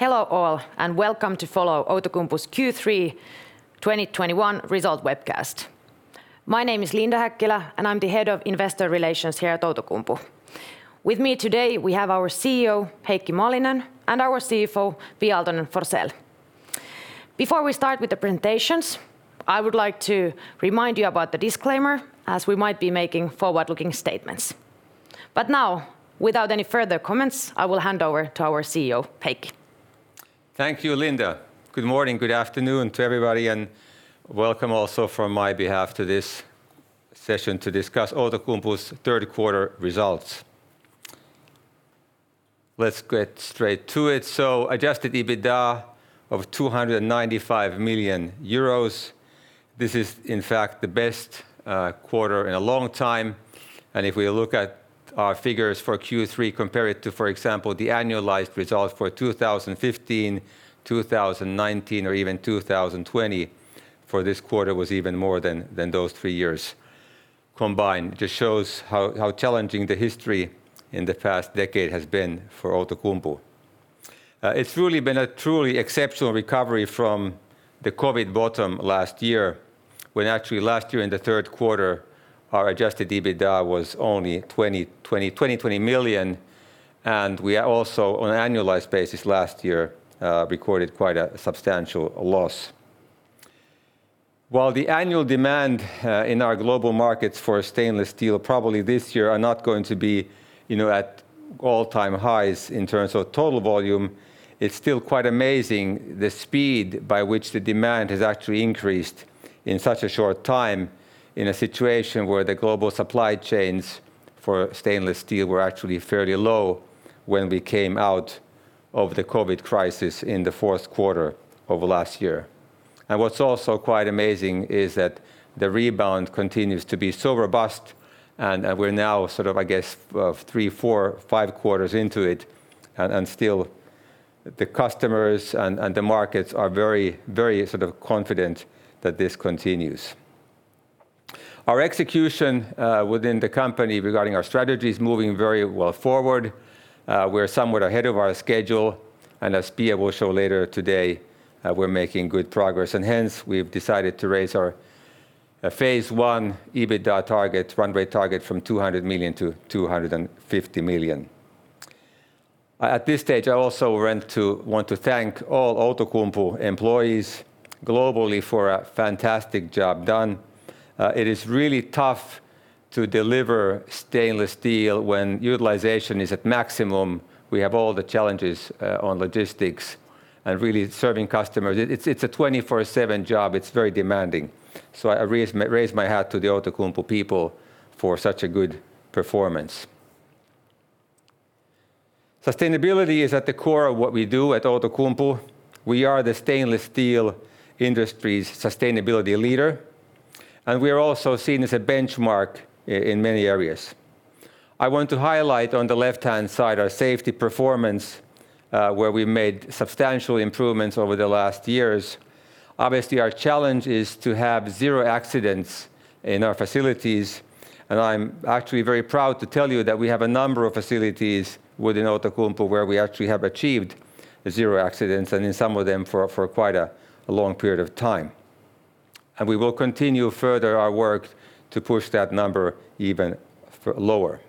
Hello all, and welcome to follow Outokumpu's Q3 2021 result webcast. My name is Linda Häkkilä, and I'm the Head of Investor Relations here at Outokumpu. With me today we have our CEO, Heikki Malinen, and our CFO, Pia Aaltonen-Forsell. Before we start with the presentations, I would like to remind you about the disclaimer, as we might be making forward-looking statements. Now, without any further comments, I will hand over to our CEO, Heikki. Thank you, Linda. Good morning, good afternoon to everybody, and welcome also from my behalf to this session to discuss Outokumpu's third quarter results. Let's get straight to it. Adjusted EBITDA of 295 million euros. This is in fact the best quarter in a long time, and if we look at our figures for Q3, compare it to, for example, the annualized results for 2015, 2019, or even 2020, for this quarter was even more than those three years combined. Just shows how challenging the history in the past decade has been for Outokumpu. It's really been a truly exceptional recovery from the COVID bottom last year when actually last year in the third quarter our Adjusted EBITDA was only 20 million, and we are also on an annualized basis last year recorded quite a substantial loss. While the annual demand in our global markets for stainless steel probably this year are not going to be, you know, at all-time highs in terms of total volume, it's still quite amazing the speed by which the demand has actually increased in such a short time in a situation where the global supply chains for stainless steel were actually fairly low when we came out of the COVID crisis in the fourth quarter of last year. What's also quite amazing is that the rebound continues to be so robust and we're now sort of, I guess, three, four, five quarters into it and still the customers and the markets are very, very sort of confident that this continues. Our execution within the company regarding our strategy is moving very well forward. We're somewhat ahead of our schedule, and as Pia will show later today, we're making good progress, and hence we've decided to raise our phase I EBITDA target, runway target from 200 million-250 million. At this stage I also want to thank all Outokumpu employees globally for a fantastic job done. It is really tough to deliver stainless steel when utilization is at maximum. We have all the challenges on logistics and really serving customers. It's a 24/7 job. It's very demanding. I raise my hat to the Outokumpu people for such a good performance. Sustainability is at the core of what we do at Outokumpu. We are the stainless steel industry's sustainability leader, and we are also seen as a benchmark in many areas. I want to highlight on the left-hand side our safety performance, where we made substantial improvements over the last years. Obviously our challenge is to have zero accidents in our facilities, and I'm actually very proud to tell you that we have a number of facilities within Outokumpu where we actually have achieved zero accidents, and in some of them for quite a long period of time. We will continue further our work to push that number even lower.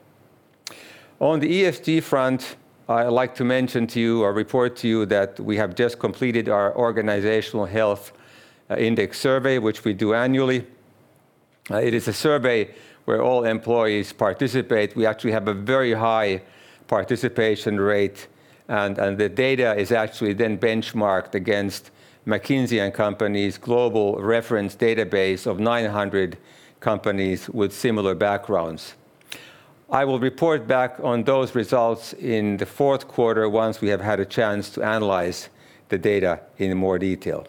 On the ESG front, I like to mention to you or report to you that we have just completed our organizational health index survey which we do annually. It is a survey where all employees participate. We actually have a very high participation rate and the data is actually then benchmarked against McKinsey & Company's global reference database of 900 companies with similar backgrounds. I will report back on those results in the fourth quarter once we have had a chance to analyze the data in more detail.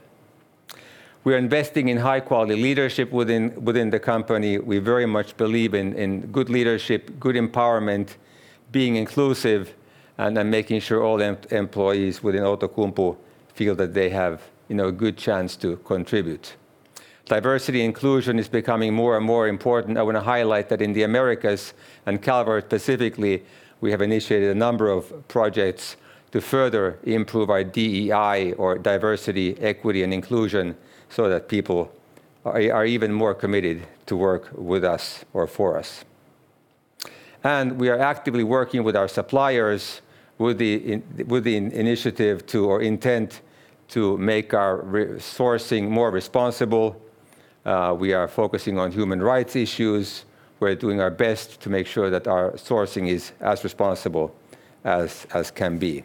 We're investing in high-quality leadership within the company. We very much believe in good leadership, good empowerment, being inclusive, and then making sure all employees within Outokumpu feel that they have, you know, a good chance to contribute. Diversity inclusion is becoming more and more important. I wanna highlight that in the Americas, and Calvert specifically, we have initiated a number of projects to further improve our DEI, or diversity, equity, and inclusion, so that people are even more committed to work with us or for us. We are actively working with our suppliers with the initiative or intent to make our re-sourcing more responsible. We are focusing on human rights issues. We're doing our best to make sure that our sourcing is as responsible as can be.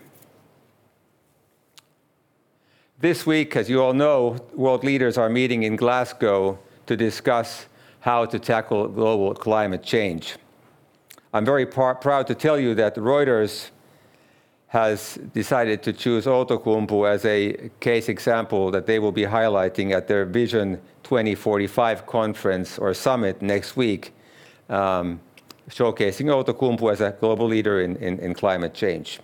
This week, as you all know, world leaders are meeting in Glasgow to discuss how to tackle global climate change. I'm very proud to tell you that Reuters has decided to choose Outokumpu as a case example that they will be highlighting at their Vision 2045 conference or summit next week, showcasing Outokumpu as a global leader in climate change.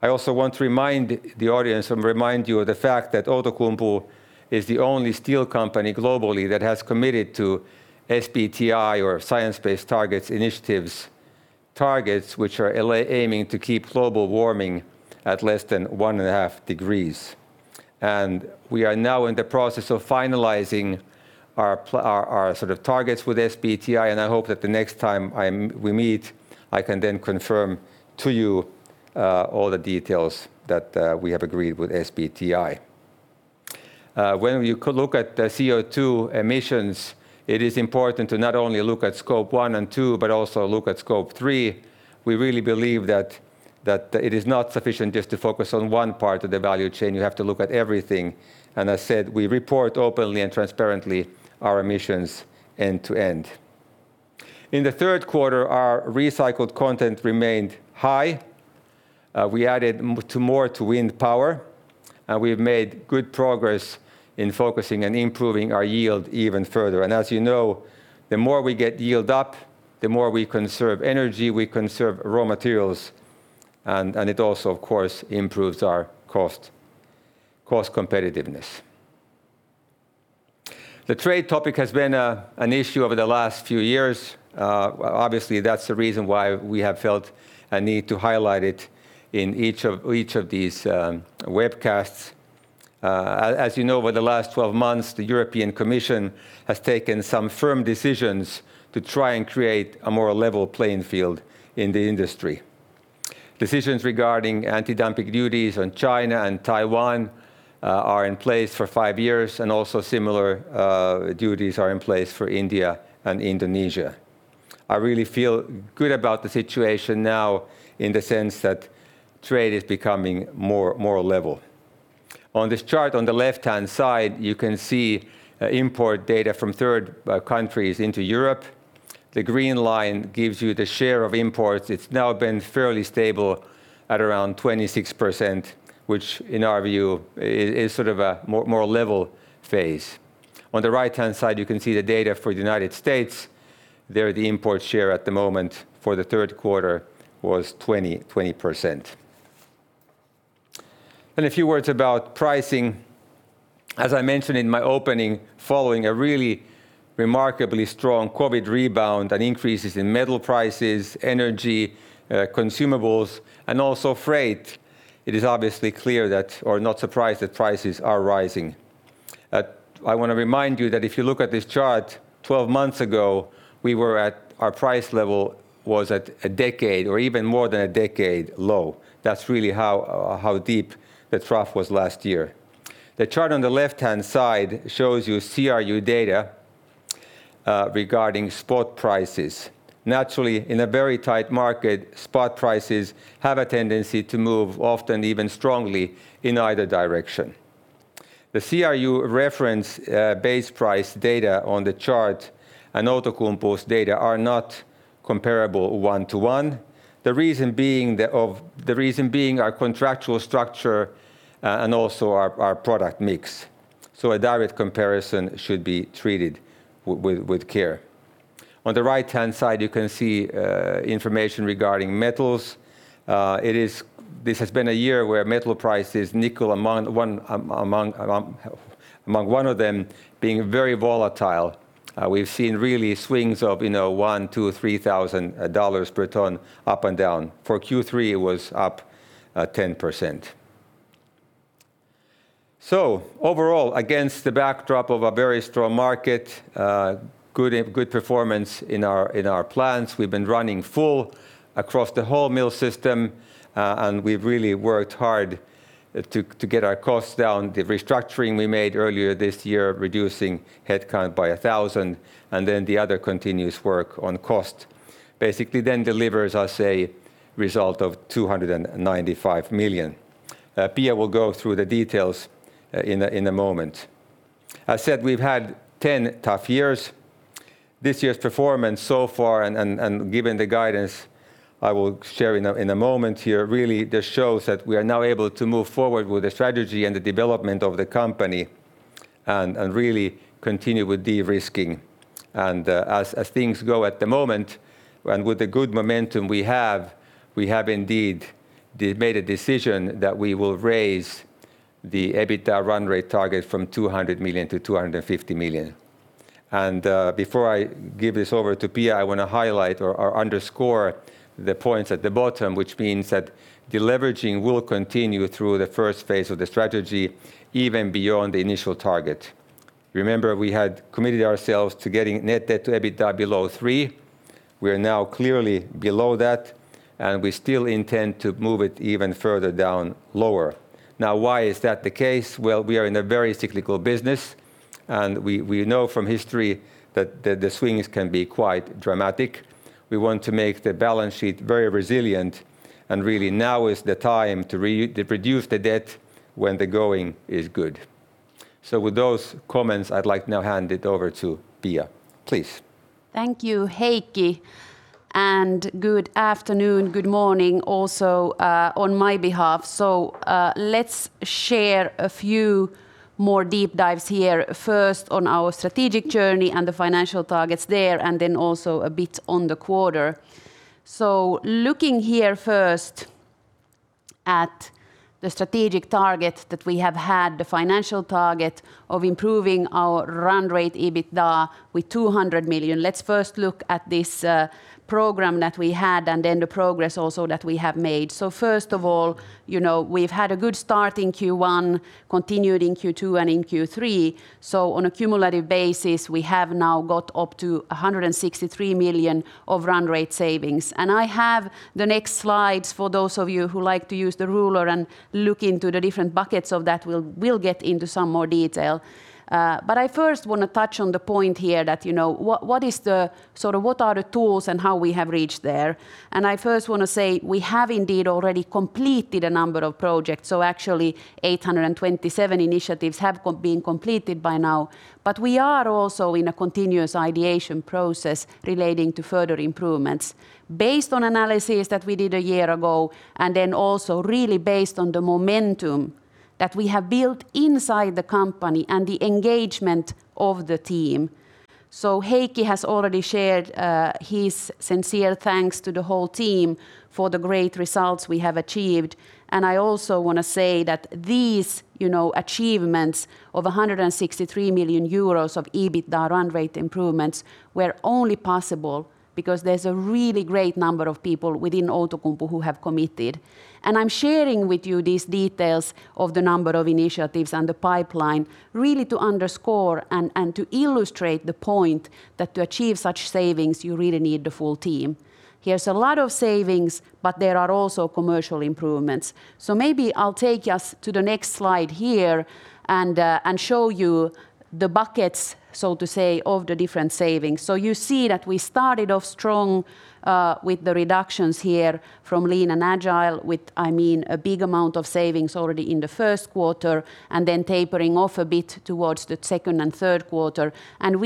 I also want to remind the audience and remind you of the fact that Outokumpu is the only steel company globally that has committed to SBTi, or science-based targets initiative targets which are aiming to keep global warming at less than 1.5 degrees. We are now in the process of finalizing our our sort of targets with SBTi, and I hope that the next time we meet I can then confirm to you all the details that we have agreed with SBTi. When you could look at the CO2 emissions, it is important to not only look at Scope 1 and 2, but also look at Scope 3. We really believe that it is not sufficient just to focus on one part of the value chain, you have to look at everything. I said, we report openly and transparently our emissions end to end. In the third quarter, our recycled content remained high. We added more to wind power, and we've made good progress in focusing and improving our yield even further. As you know, the more we get yield up, the more we conserve energy, we conserve raw materials, and it also of course improves our cost competitiveness. The trade topic has been an issue over the last few years. Obviously, that's the reason why we have felt a need to highlight it in each of these webcasts. As you know, over the last 12 months, the European Commission has taken some firm decisions to try and create a more level playing field in the industry. Decisions regarding anti-dumping duties on China and Taiwan are in place for five years. Also similar duties are in place for India and Indonesia. I really feel good about the situation now in the sense that trade is becoming more level. On this chart on the left-hand side, you can see import data from third countries into Europe. The green line gives you the share of imports. It's now been fairly stable at around 26%, which in our view is sort of a more level phase. On the right-hand side, you can see the data for the U.S. There, the import share at the moment for the third quarter was 20%. A few words about pricing. As I mentioned in my opening, following a really remarkably strong COVID rebound and increases in metal prices, energy, consumables, and also freight, we are not surprised that prices are rising. I want to remind you that if you look at this chart, 12 months ago, our price level was at a decade or even more than a decade low. That's really how deep the trough was last year. The chart on the left-hand side shows you CRU data regarding spot prices. Naturally, in a very tight market, spot prices have a tendency to move often even strongly in either direction. The CRU reference base price data on the chart and Outokumpu's data are not comparable one-to-one, the reason being our contractual structure and also our product mix. A direct comparison should be treated with care. On the right-hand side, you can see information regarding metals. This has been a year where metal prices, nickel, one among them being very volatile. We've seen real swings of, you know, $1,000, $2,000, $3,000 per ton up and down. For Q3, it was up 10%. Overall, against the backdrop of a very strong market, good performance in our plants. We've been running full across the whole mill system, and we've really worked hard to get our costs down. The restructuring we made earlier this year, reducing headcount by 1,000, and then the other continuous work on cost basically delivers us a result of 295 million. Pia will go through the details in a moment. I said we've had 10 tough years. This year's performance so far and given the guidance I will share in a moment here really just shows that we are now able to move forward with the strategy and the development of the company and really continue with de-risking. As things go at the moment and with the good momentum we have, we have indeed made a decision that we will raise the EBITDA run rate target from 200 million to 250 million. Before I give this over to Pia, I wanna highlight or underscore the points at the bottom, which means that deleveraging will continue through the first phase of the strategy, even beyond the initial target. Remember, we had committed ourselves to getting net debt-to-EBITDA below three. We are now clearly below that, and we still intend to move it even further down lower. Now, why is that the case? Well, we are in a very cyclical business, and we know from history that the swings can be quite dramatic. We want to make the balance sheet very resilient, and really now is the time to reduce the debt when the going is good. With those comments, I'd like to now hand it over to Pia. Please. Thank you, Heikki, and good afternoon, good morning also, on my behalf. Let's share a few more deep dives here, first on our strategic journey and the financial targets there, and then also a bit on the quarter. Looking here first at the strategic target that we have had, the financial target of improving our run rate EBITDA with 200 million, let's first look at this program that we had and then the progress also that we have made. First of all, you know, we've had a good start in Q1, continued in Q2, and in Q3. On a cumulative basis, we have now got up to 163 million of run rate savings. I have the next slides for those of you who like to use the ruler and look into the different buckets of that. We'll get into some more detail. I first wanna touch on the point here that, you know, sort of what are the tools and how we have reached there. I first wanna say, we have indeed already completed a number of projects. Actually, 827 initiatives have been completed by now. We are also in a continuous ideation process relating to further improvements based on analysis that we did a year ago, and then also really based on the momentum that we have built inside the company and the engagement of the team. Heikki has already shared his sincere thanks to the whole team for the great results we have achieved, and I also wanna say that these, you know, achievements of 163 million euros of EBITDA run rate improvements were only possible because there's a really great number of people within Outokumpu who have committed. I'm sharing with you these details of the number of initiatives and the pipeline really to underscore and to illustrate the point that to achieve such savings, you really need the full team. Here's a lot of savings, but there are also commercial improvements. Maybe I'll take us to the next slide here and show you the buckets, so to say, of the different savings. You see that we started off strong with the reductions here from lean and agile with, I mean, a big amount of savings already in the first quarter and then tapering off a bit towards the second and third quarter.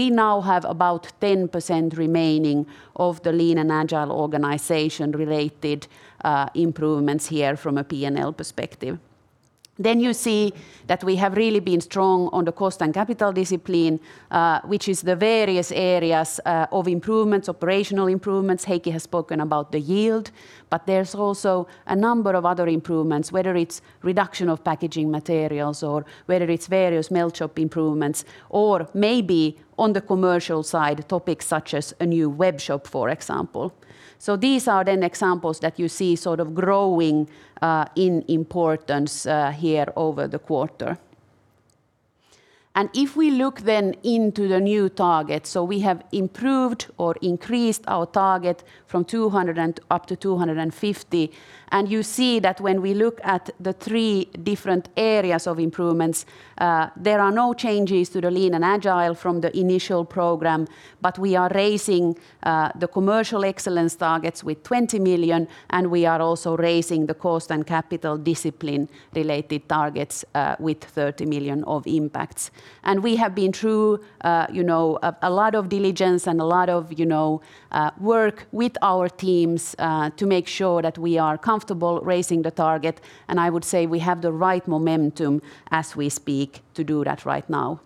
We now have about 10% remaining of the lean and agile organization-related improvements here from a P&L perspective. You see that we have really been strong on the cost and capital discipline, which is the various areas of improvements, operational improvements. Heikki has spoken about the yield, but there's also a number of other improvements, whether it's reduction of packaging materials or whether it's various melt shop improvements or maybe on the commercial side, topics such as a new web shop, for example. These are then examples that you see sort of growing in importance here over the quarter. If we look then into the new target. We have improved or increased our target from 200 million up to 250 million. You see that when we look at the three different areas of improvements, there are no changes to the lean and agile from the initial program. We are raising the commercial excellence targets with 20 million, and we are also raising the cost and capital discipline-related targets with 30 million of impacts. We have been through, you know, a lot of diligence and a lot of, you know, work with our teams to make sure that we are comfortable raising the target. I would say we have the right momentum as we speak to do that right now.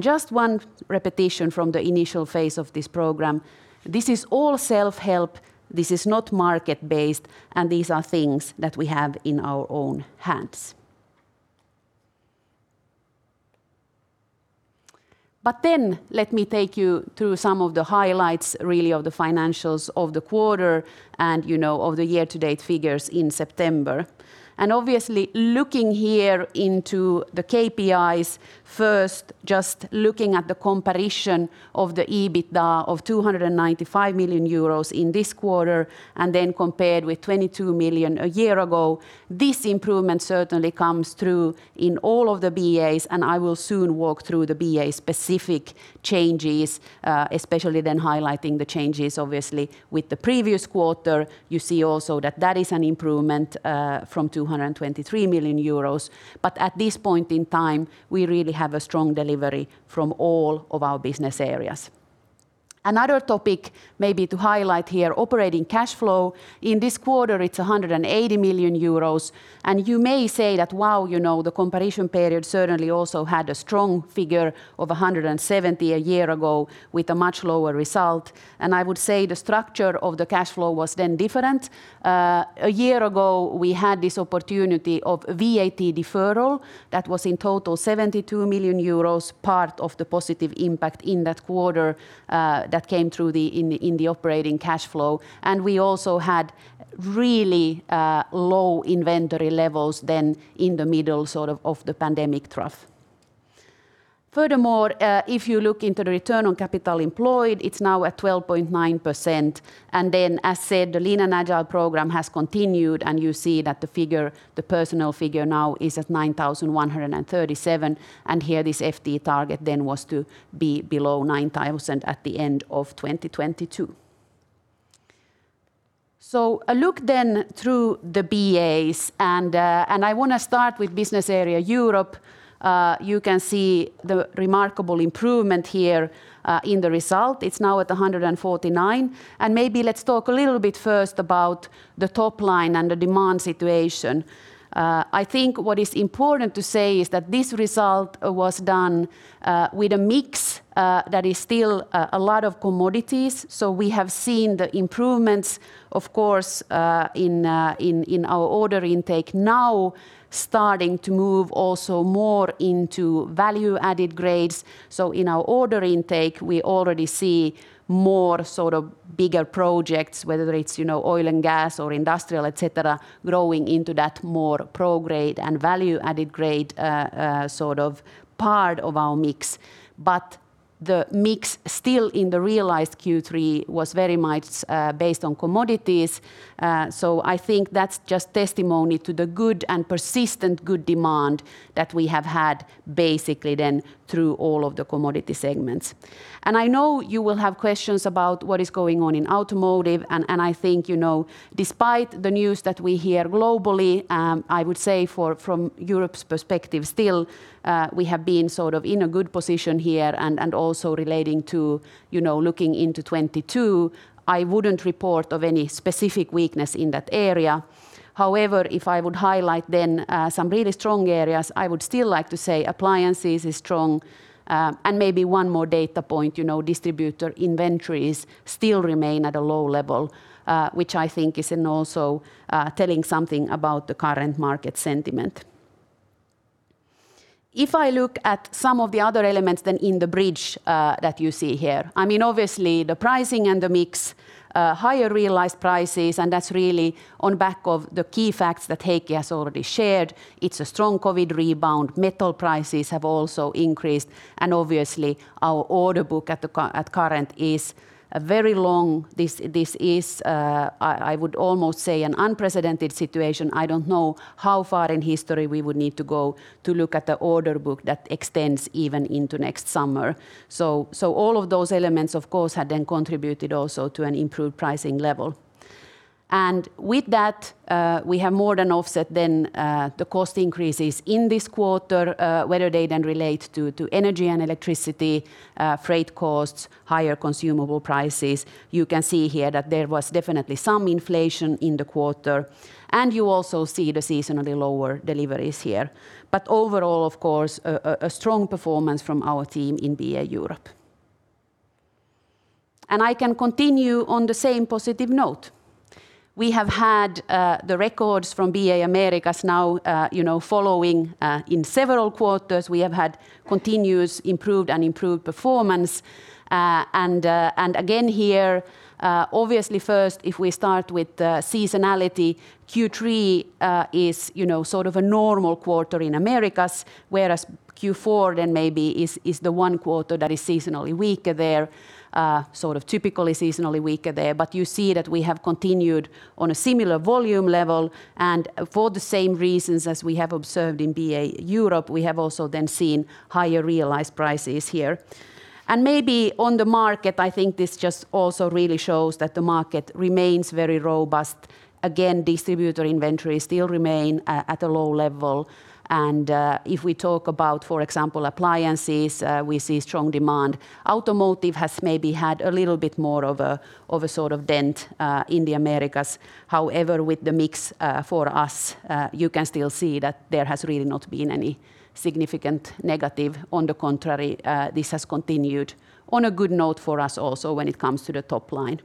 Just one repetition from the initial phase of this program. This is all self-help. This is not market-based, and these are things that we have in our own hands. Let me take you through some of the highlights really of the financials of the quarter and, you know, of the year-to-date figures in September. Obviously looking here into the KPIs, first just looking at the comparison of the EBITDA of 295 million euros in this quarter and then compared with 22 million a year ago, this improvement certainly comes through in all of the BAs, and I will soon walk through the BA-specific changes, especially then highlighting the changes obviously with the previous quarter. You see also that that is an improvement from 223 million euros. At this point in time, we really have a strong delivery from all of our business areas. Another topic maybe to highlight here, operating cash flow. In this quarter, it's 180 million euros. You may say that, wow, you know, the comparison period certainly also had a strong figure of 170 million a year ago with a much lower result, and I would say the structure of the cash flow was then different. A year ago, we had this opportunity of VAT deferral that was in total 72 million euros, part of the positive impact in that quarter, that came through in the operating cash flow. We also had really low inventory levels then in the middle of the pandemic trough. Furthermore, if you look into the return on capital employed, it's now at 12.9%. Then as said, the lean and agile program has continued, and you see that the figure, the personnel figure now is at 9,137, and here this FTE target then was to be below 9,000 at the end of 2022. A look then through the BAs, and I wanna start with Business Area Europe. You can see the remarkable improvement here in the result. It's now at 149 million. Maybe let's talk a little bit first about the top line and the demand situation. I think what is important to say is that this result was done with a mix that is still a lot of commodities. We have seen the improvements of course in our order intake now starting to move also more into value-added grades. In our order intake, we already see more sort of bigger projects, whether it's, you know, oil and gas or industrial, et cetera, growing into that more pro-grade and value-added grade sort of part of our mix. The mix still in the realized Q3 was very much based on commodities. I think that's just testimony to the good and persistent good demand that we have had basically then through all of the commodity segments. I know you will have questions about what is going on in automotive, and I think, you know, despite the news that we hear globally, I would say for... From Europe's perspective still, we have been sort of in a good position here and also relating to looking into 2022, I wouldn't report any specific weakness in that area. However, if I would highlight then some really strong areas, I would still like to say appliances is strong, and maybe one more data point, distributor inventories still remain at a low level, which I think is also telling something about the current market sentiment. If I look at some of the other elements in the bridge that you see here, obviously, the pricing and the mix, higher realized prices, and that's really on the back of the key facts that Heikki has already shared. It's a strong COVID rebound. Metal prices have also increased. Obviously, our order book at current is very long. This is, I would almost say an unprecedented situation. I don't know how far in history we would need to go to look at the order book that extends even into next summer. All of those elements, of course, have then contributed also to an improved pricing level. With that, we have more than offset then the cost increases in this quarter, whether they then relate to energy and electricity, freight costs, higher consumable prices. You can see here that there was definitely some inflation in the quarter, and you also see the seasonally lower deliveries here. Overall, of course, a strong performance from our team in BA Europe. I can continue on the same positive note. We have had the records from BA Americas now, you know, following in several quarters. We have had continuously improved performance. Again here, obviously first, if we start with the seasonality, Q3 is, you know, sort of a normal quarter in Americas, whereas Q4 then maybe is the one quarter that is seasonally weaker there, sort of typically seasonally weaker there. You see that we have continued on a similar volume level, and for the same reasons as we have observed in BA Europe, we have also then seen higher realized prices here. Maybe on the market, I think this just also really shows that the market remains very robust. Again, distributor inventories still remain at a low level, and if we talk about, for example, appliances, we see strong demand. Automotive has maybe had a little bit more of a sort of dent in the Americas. However, with the mix, for us, you can still see that there has really not been any significant negative. On the contrary, this has continued on a good note for us also when it comes to the top line.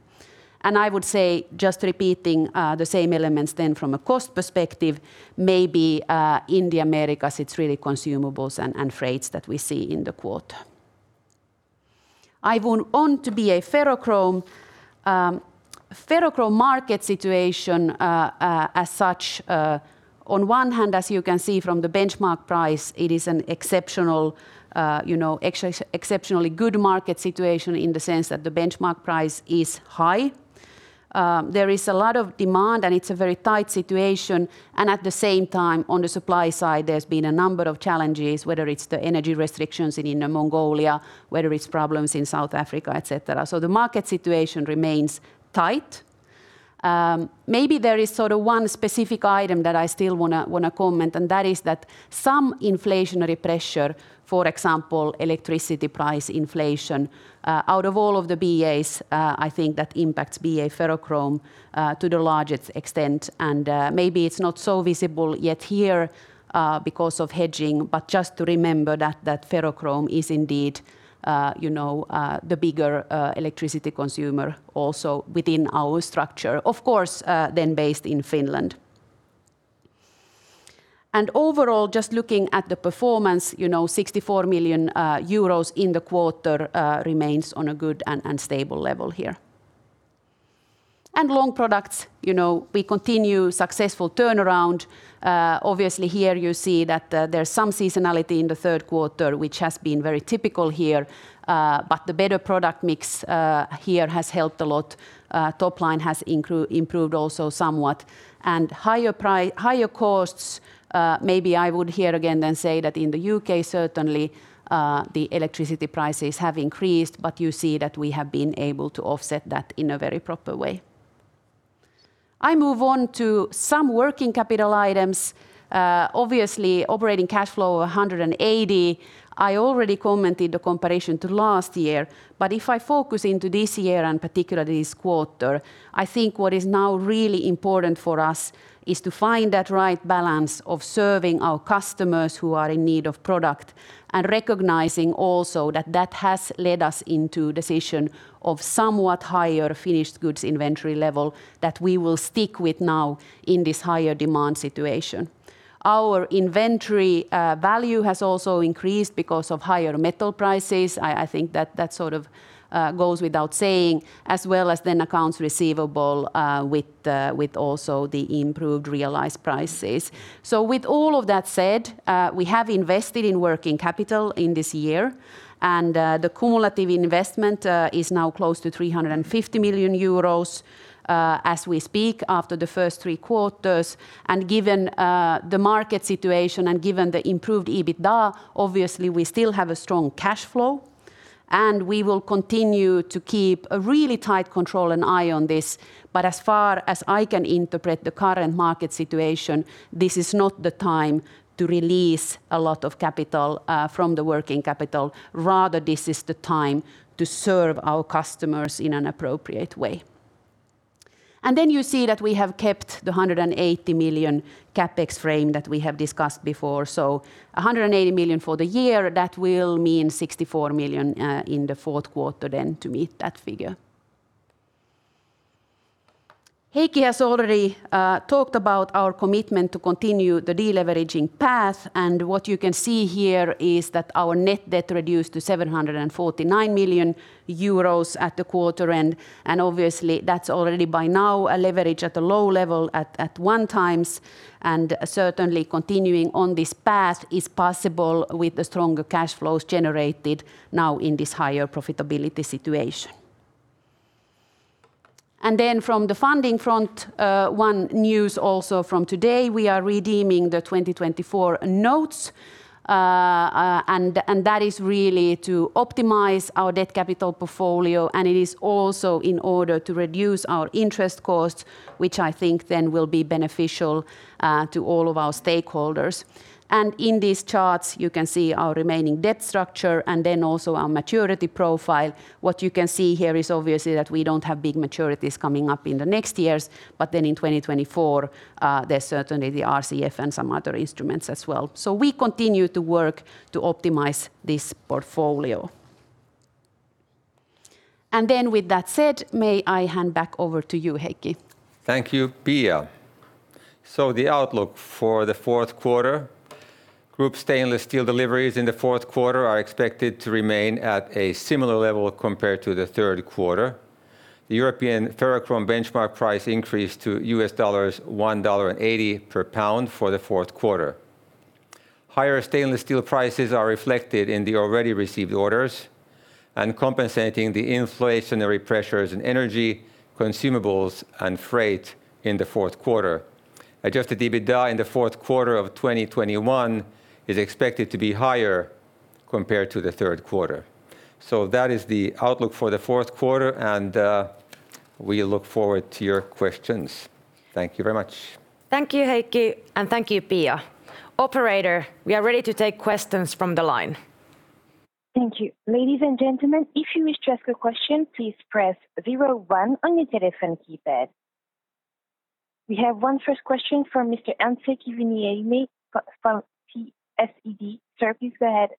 I would say, just repeating, the same elements then from a cost perspective, maybe, in the Americas, it's really consumables and freights that we see in the quarter. I move on to BA Ferrochrome. Ferrochrome market situation, as such, on one hand, as you can see from the benchmark price, it is an exceptional, you know, exceptionally good market situation in the sense that the benchmark price is high. There is a lot of demand, and it's a very tight situation. At the same time, on the supply side, there's been a number of challenges, whether it's the energy restrictions in Inner Mongolia, whether it's problems in South Africa, et cetera. The market situation remains tight. Maybe there is sort of one specific item that I still wanna comment, and that is that some inflationary pressure, for example, electricity price inflation, out of all of the BAs, I think that impacts BA Ferrochrome to the largest extent. Maybe it's not so visible yet here because of hedging, but just to remember that Ferrochrome is indeed you know the bigger electricity consumer also within our structure. Of course, then based in Finland. Overall, just looking at the performance, you know, 64 million euros in the quarter remains on a good and stable level here. Long Products, you know, we continue successful turnaround. Obviously here you see that there's some seasonality in the third quarter, which has been very typical here. But the better product mix here has helped a lot. Top line has improved also somewhat. Higher costs, maybe I would here again then say that in the U.K. certainly the electricity prices have increased, but you see that we have been able to offset that in a very proper way. I move on to some working capital items. Obviously operating cash flow of 180 million. I already commented the comparison to last year, but if I focus into this year and particularly this quarter, I think what is now really important for us is to find that right balance of serving our customers who are in need of product and recognizing also that that has led us into decision of somewhat higher finished goods inventory level that we will stick with now in this higher demand situation. Our inventory value has also increased because of higher metal prices. I think that that sort of goes without saying. As well as then accounts receivable with also the improved realized prices. With all of that said, we have invested in working capital in this year, and the cumulative investment is now close to 350 million euros as we speak after the first three quarters. Given the market situation and given the improved EBITDA, obviously we still have a strong cash flow, and we will continue to keep a really tight control and eye on this. But as far as I can interpret the current market situation, this is not the time to release a lot of capital from the working capital. Rather, this is the time to serve our customers in an appropriate way. Then you see that we have kept the 180 million CapEx frame that we have discussed before. 180 million for the year, that will mean 64 million in the fourth quarter then to meet that figure. Heikki has already talked about our commitment to continue the de-leveraging path, and what you can see here is that our net debt reduced to 749 million euros at the quarter end, and obviously that's already by now a leverage at a low level at 1x. Certainly continuing on this path is possible with the stronger cash flows generated now in this higher profitability situation. Then from the funding front, one news also from today, we are redeeming the 2024 notes. That is really to optimize our debt capital portfolio, and it is also in order to reduce our interest costs, which I think then will be beneficial to all of our stakeholders. In these charts you can see our remaining debt structure and then also our maturity profile. What you can see here is obviously that we don't have big maturities coming up in the next years, but then in 2024, there's certainly the RCF and some other instruments as well. We continue to work to optimize this portfolio. With that said, may I hand back over to you, Heikki. Thank you, Pia. The outlook for the fourth quarter. Group stainless steel deliveries in the fourth quarter are expected to remain at a similar level compared to the third quarter. The European ferrochrome benchmark price increased to $1.80/lb for the fourth quarter. Higher stainless steel prices are reflected in the already received orders and compensating the inflationary pressures in energy, consumables, and freight in the fourth quarter. Adjusted EBITDA in the fourth quarter of 2021 is expected to be higher compared to the third quarter. That is the outlook for the fourth quarter, and we look forward to your questions. Thank you very much. Thank you, Heikki, and thank you, Pia. Operator, we are ready to take questions from the line. Thank you. Ladies, and gentlemen, if you wish to ask a question, please press zero-one on your telephone keypad. We have one first question from Mr. Anssi Kiviniemi from SEB. Sir, please go ahead.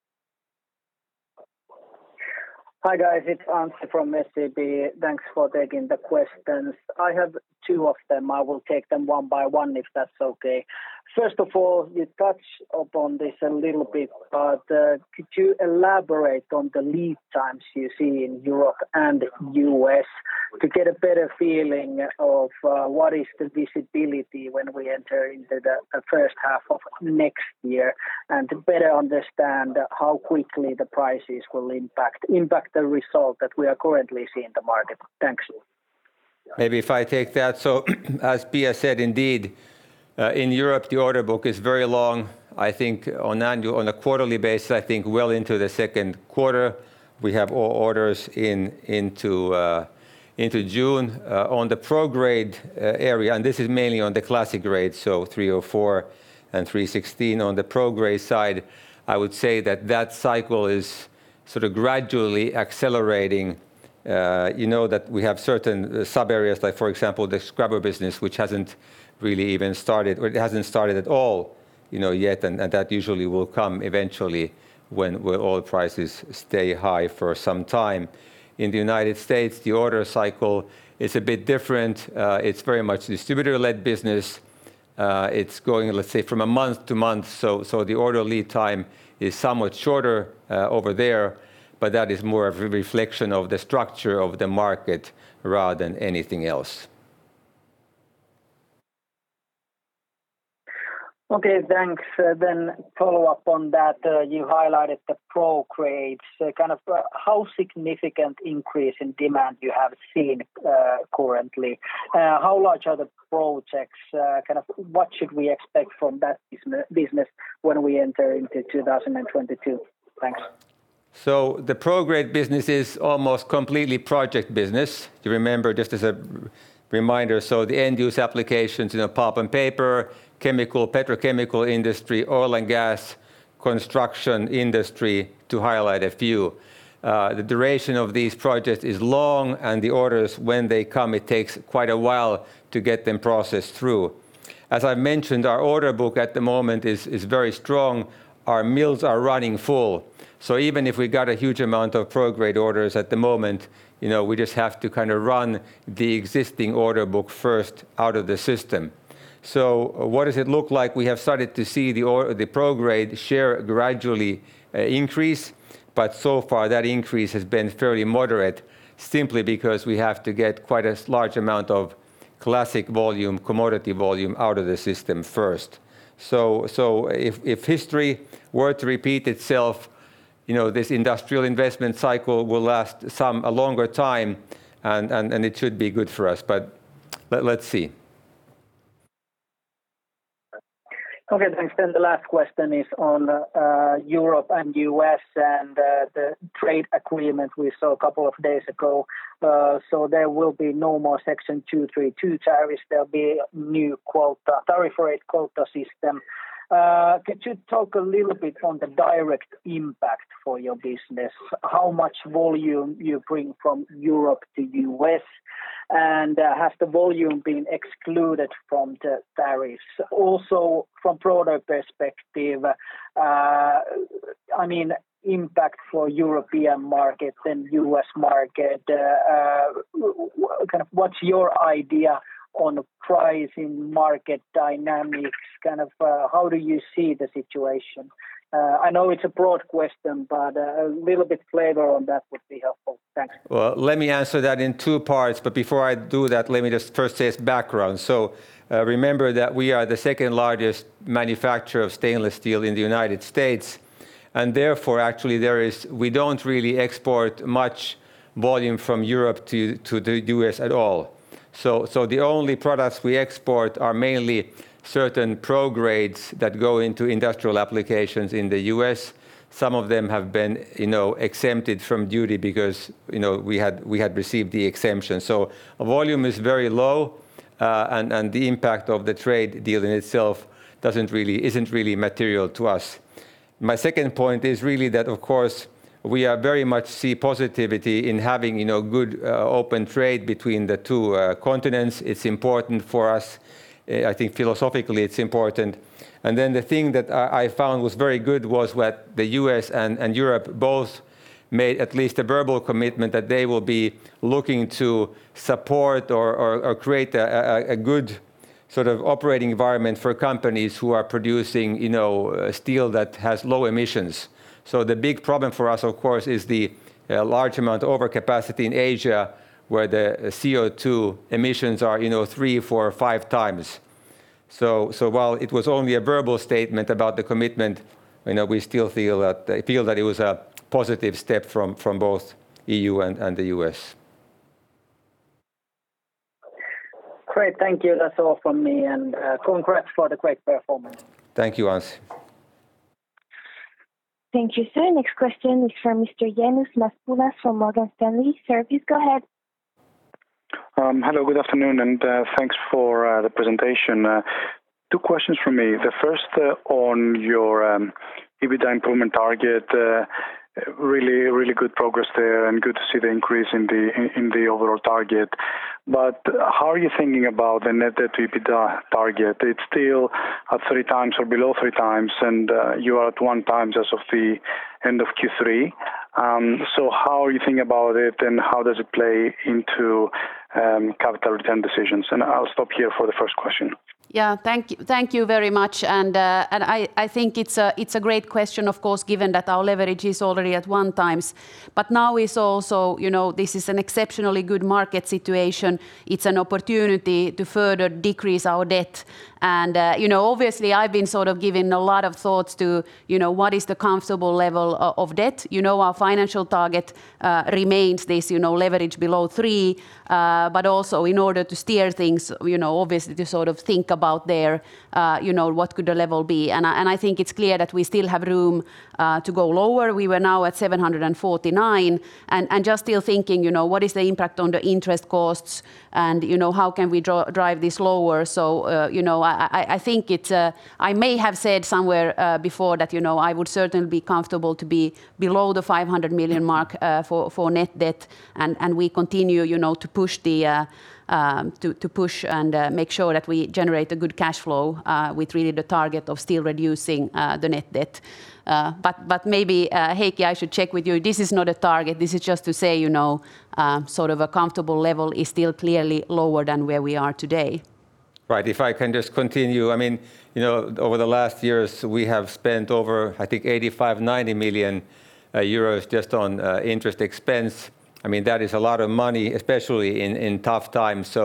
Hi, guys. It's Anssi from SEB. Thanks for taking the questions. I have two of them. I will take them one by one if that's okay. First of all, you touched upon this a little bit, but could you elaborate on the lead times you see in Europe and U.S. to get a better feeling of what is the visibility when we enter into the first half of next year and to better understand how quickly the prices will impact the result that we are currently seeing in the market? Thanks. Maybe if I take that. As Pia said, indeed, in Europe the order book is very long. I think on a quarterly basis I think well into the second quarter we have orders in, into June. On the pro grade area. This is mainly on the classic grade, so 304 and 316. On the pro grade side I would say that cycle is sort of gradually accelerating. You know that we have certain sub areas, like for example the scrubber business, which hasn't really even started, or it hasn't started at all, you know, yet and that usually will come eventually when oil prices stay high for some time. In the U.S., the order cycle is a bit different. It's very much distributor-led business. It's going, let's say, from a month to month, so the order lead time is somewhat shorter over there, but that is more of a reflection of the structure of the market rather than anything else. Okay, thanks. Follow up on that, you highlighted the pro grades. Kind of how significant increase in demand you have seen, currently? How large are the projects? Kind of what should we expect from that business when we enter into 2022? Thanks. The pro grade business is almost completely project business. You remember just as a reminder, the end use applications, you know, pulp and paper, chemical, petrochemical industry, oil and gas, construction industry, to highlight a few. The duration of these projects is long and the orders when they come, it takes quite a while to get them processed through. As I've mentioned, our order book at the moment is very strong. Our mills are running full. Even if we got a huge amount of pro grade orders at the moment, you know, we just have to kind of run the existing order book first out of the system. What does it look like? We have started to see the pro grade share gradually increase, but so far that increase has been fairly moderate simply because we have to get quite a large amount of classic volume, commodity volume out of the system first. If history were to repeat itself, you know, this industrial investment cycle will last a longer time and it should be good for us. Let's see. Okay. Thanks. The last question is on Europe and U.S. and the trade agreement we saw a couple of days ago. There will be no more Section 232 tariffs. There'll be new tariff rate quota system. Could you talk a little bit on the direct impact for your business? How much volume you bring from Europe to U.S.? And has the volume been excluded from the tariffs? Also from product perspective, I mean, impact for European market than U.S. market. Kind of what's your idea on pricing market dynamics? Kind of, how do you see the situation? I know it's a broad question, but a little bit flavor on that would be helpful. Thanks. Well, let me answer that in two parts, but before I do that, let me just first say it's background. Remember that we are the second largest manufacturer of stainless steel in the U.S., and therefore, actually we don't really export much volume from Europe to the U.S. at all. The only products we export are mainly certain pro grades that go into industrial applications in the U.S. Some of them have been, you know, exempted from duty because, you know, we had received the exemption. Volume is very low, and the impact of the trade deal in itself isn't really material to us. My second point is really that, of course, we very much see positivity in having, you know, good, open trade between the two continents. It's important for us. I think philosophically it's important. The thing that I found was very good was what the U.S. and Europe both made at least a verbal commitment that they will be looking to support or create a good sort of operating environment for companies who are producing, you know, steel that has low emissions. The big problem for us, of course, is the large amount of overcapacity in Asia where the CO2 emissions are, you know, 3x, 4x, or 5x. While it was only a verbal statement about the commitment, you know, we still feel that it was a positive step from both EU and the U.S. Great. Thank you. That's all from me. Congrats for the great performance. Thank you, Anssi. Thank you, sir. Next question is from Mr. Ioannis Masvoulas from Morgan Stanley. Sir, please go ahead. Hello, good afternoon, and thanks for the presentation. Two questions from me. The first on your EBITDA improvement target. Really good progress there and good to see the increase in the overall target. How are you thinking about the net debt-to-EBITDA target? It's still at 3x or below 3x, and you are at 1x as of the end of Q3. So how are you thinking about it, and how does it play into capital return decisions? I'll stop here for the first question. Thank you very much, and I think it's a great question, of course, given that our leverage is already at 1x. Now it's also, you know, this is an exceptionally good market situation. It's an opportunity to further decrease our debt. You know, obviously I've been sort of giving a lot of thoughts to, you know, what is the comfortable level of debt. You know, our financial target remains this, you know, leverage below 3x. Also in order to steer things, you know, obviously to sort of think about, you know, what could the level be. I think it's clear that we still have room to go lower. We were now at 749 million. Just still thinking, you know, what is the impact on the interest costs and, you know, how can we drive this lower. You know, I think it's, I may have said somewhere before that, you know, I would certainly be comfortable to be below the 500 million mark for net debt. We continue, you know, to push and make sure that we generate a good cash flow with really the target of still reducing the net debt. But maybe, Heikki, I should check with you. This is not a target. This is just to say, you know, sort of a comfortable level is still clearly lower than where we are today. Right. If I can just continue. I mean, you know, over the last years, we have spent over, I think 85 million-90 million euros just on interest expense. I mean, that is a lot of money, especially in tough times.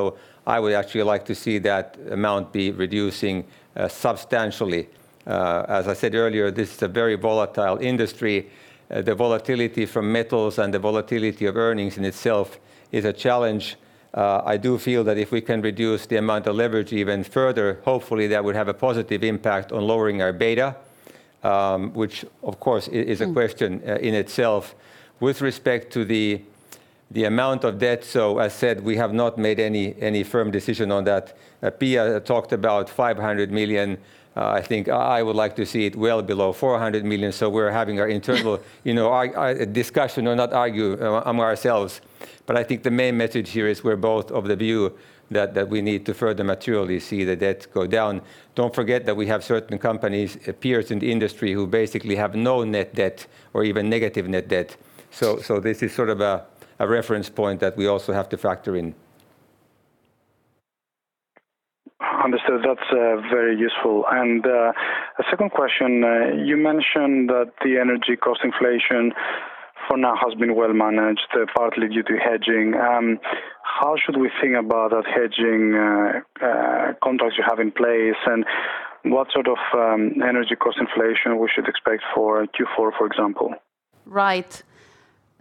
I would actually like to see that amount be reducing substantially. As I said earlier, this is a very volatile industry. The volatility from metals and the volatility of earnings in itself is a challenge. I do feel that if we can reduce the amount of leverage even further, hopefully that would have a positive impact on lowering our beta, which of course is a question in itself. With respect to the amount of debt, as said, we have not made any firm decision on that. Pia talked about 500 million. I think I would like to see it well below 400 million. We're having our internal discussion, you know, or not argue among ourselves, but I think the main message here is we're both of the view that we need to further materially see the debt go down. Don't forget that we have certain companies, peers in the industry who basically have no net debt or even negative net debt. This is sort of a reference point that we also have to factor in. Understood. That's very useful. A second question, you mentioned that the energy cost inflation for now has been well managed, partly due to hedging. How should we think about that hedging contracts you have in place, and what sort of energy cost inflation we should expect for Q4, for example?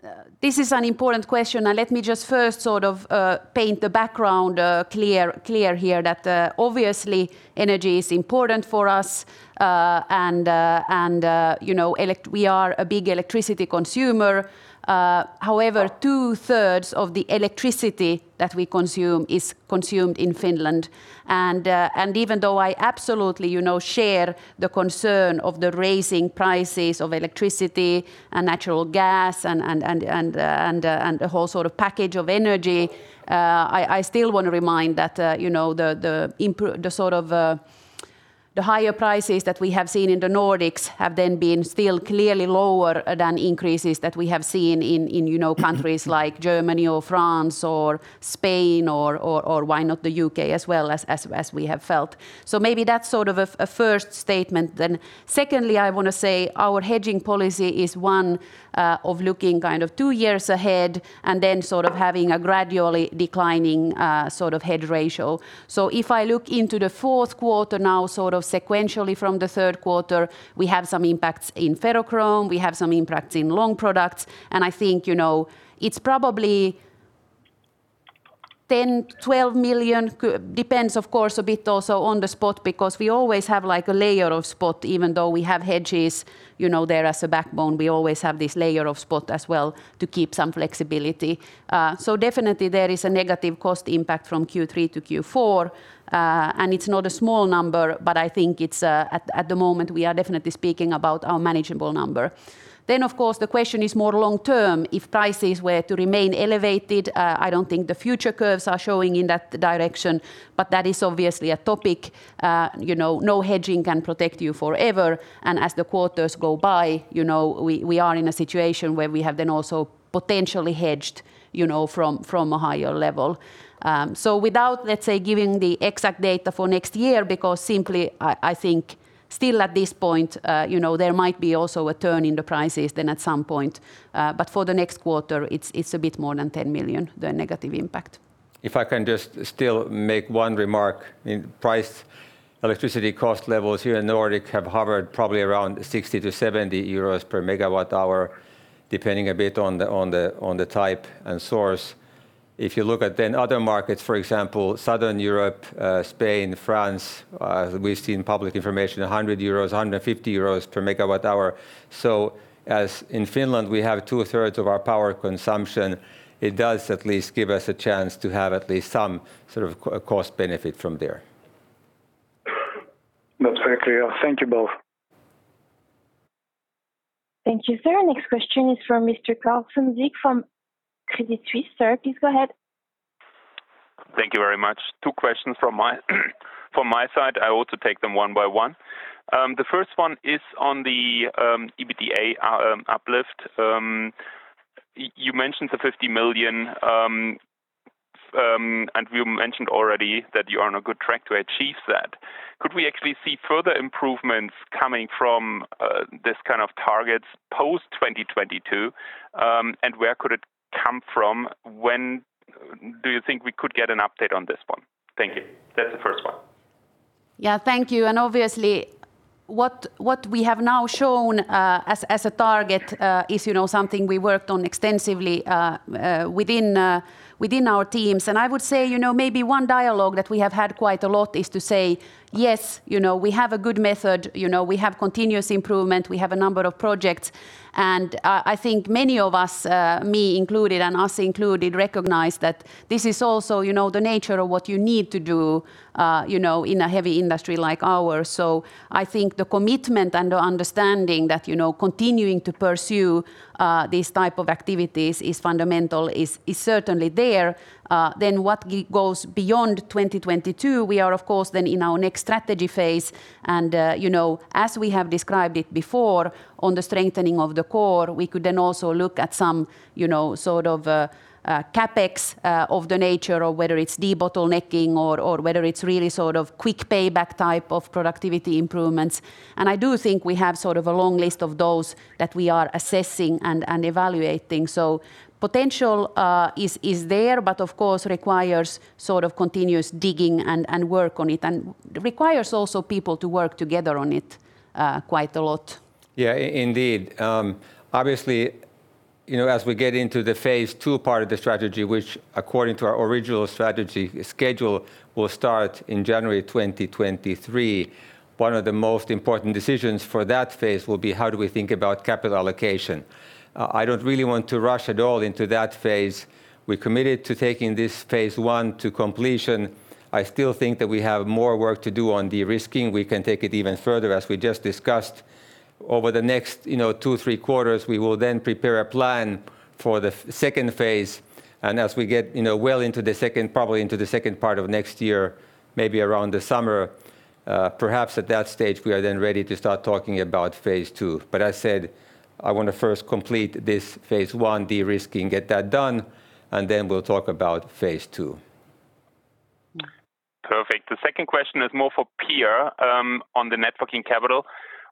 Right. This is an important question, and let me just first sort of paint the background, clear here that obviously energy is important for us. You know, we are a big electricity consumer. However, 2/3 of the electricity that we consume is consumed in Finland. Even though I absolutely, you know, share the concern of the rising prices of electricity and natural gas and the whole sort of package of energy, I still wanna remind that the sort of higher prices that we have seen in the Nordics have then been still clearly lower than increases that we have seen in countries like Germany or France or Spain or why not the U.K. as well as we have felt. Maybe that's sort of a first statement. Secondly, I wanna say our hedging policy is one of looking kind of two years ahead and then sort of having a gradually declining sort of hedge ratio. If I look into the fourth quarter now, sort of sequentially from the third quarter, we have some impacts in ferrochrome, we have some impacts in Long Products, and I think, you know, it's probably 10 million-12 million. It depends of course a bit also on the spot because we always have like a layer of spot even though we have hedges, you know, there as a backbone. We always have this layer of spot as well to keep some flexibility. Definitely there is a negative cost impact from Q3-Q4, and it's not a small number, but I think it's at the moment we are definitely speaking about a manageable number. Of course, the question is more long term. If prices were to remain elevated, I don't think the future curves are showing in that direction, but that is obviously a topic. You know, no hedging can protect you forever, and as the quarters go by, you know, we are in a situation where we have then also potentially hedged, you know, from a higher level. So without, let's say, giving the exact data for next year because simply I think still at this point, you know, there might be also a turn in the prices then at some point. But for the next quarter it's a bit more than 10 million, the negative impact. If I can just still make one remark. In price, electricity cost levels here in Nordic have hovered probably around 60-70 euros per MWh, depending a bit on the type and source. If you look at the other markets, for example, Southern Europe, Spain, France, we've seen public information, 100 euros, 150 euros per MWh. As in Finland, we have 2/3 of our power consumption, it does at least give us a chance to have at least some sort of cost benefit from there. That's very clear. Thank you both. Thank you, sir. Next question is from Mr. Carsten Riek from Credit Suisse. Sir, please go ahead. Thank you very much. Two questions from my side. I want to take them one by one. The first one is on the EBITDA uplift. You mentioned the 50 million, and you mentioned already that you are on a good track to achieve that. Could we actually see further improvements coming from this kind of targets post 2022? And where could it come from? When do you think we could get an update on this one? Thank you. That's the first one. Yeah. Thank you. Obviously, what we have now shown as a target is, you know, something we worked on extensively within our teams. I would say, you know, maybe one dialogue that we have had quite a lot is to say, "Yes, you know, we have a good method, you know, we have continuous improvement, we have a number of projects." I think many of us, me included and us included, recognize that this is also, you know, the nature of what you need to do, you know, in a heavy industry like ours. I think the commitment and the understanding that, you know, continuing to pursue these type of activities is fundamental is certainly there. What goes beyond 2022, we are of course then in our next strategy phase. You know, as we have described it before on the strengthening of the core, we could then also look at some, you know, sort of CapEx of the nature of whether it's debottlenecking or whether it's really sort of quick payback type of productivity improvements. I do think we have sort of a long list of those that we are assessing and evaluating. Potential is there, but of course requires sort of continuous digging and work on it and requires also people to work together on it quite a lot. Yeah, indeed. Obviously, you know, as we get into the phase II part of the strategy, which according to our original strategy schedule will start in January 2023, one of the most important decisions for that phase will be how do we think about capital allocation. I don't really want to rush at all into that phase. We're committed to taking this phase I to completion. I still think that we have more work to do on de-risking. We can take it even further. As we just discussed over the next, you know, two, three quarters, we will then prepare a plan for the second phase. As we get, you know, well into the second, probably into the second part of next year, maybe around the summer, perhaps at that stage we are then ready to start talking about phase II. I said I wanna first complete this phase I de-risking, get that done, and then we'll talk about phase II. Perfect. The second question is more for Pia, on the net working capital.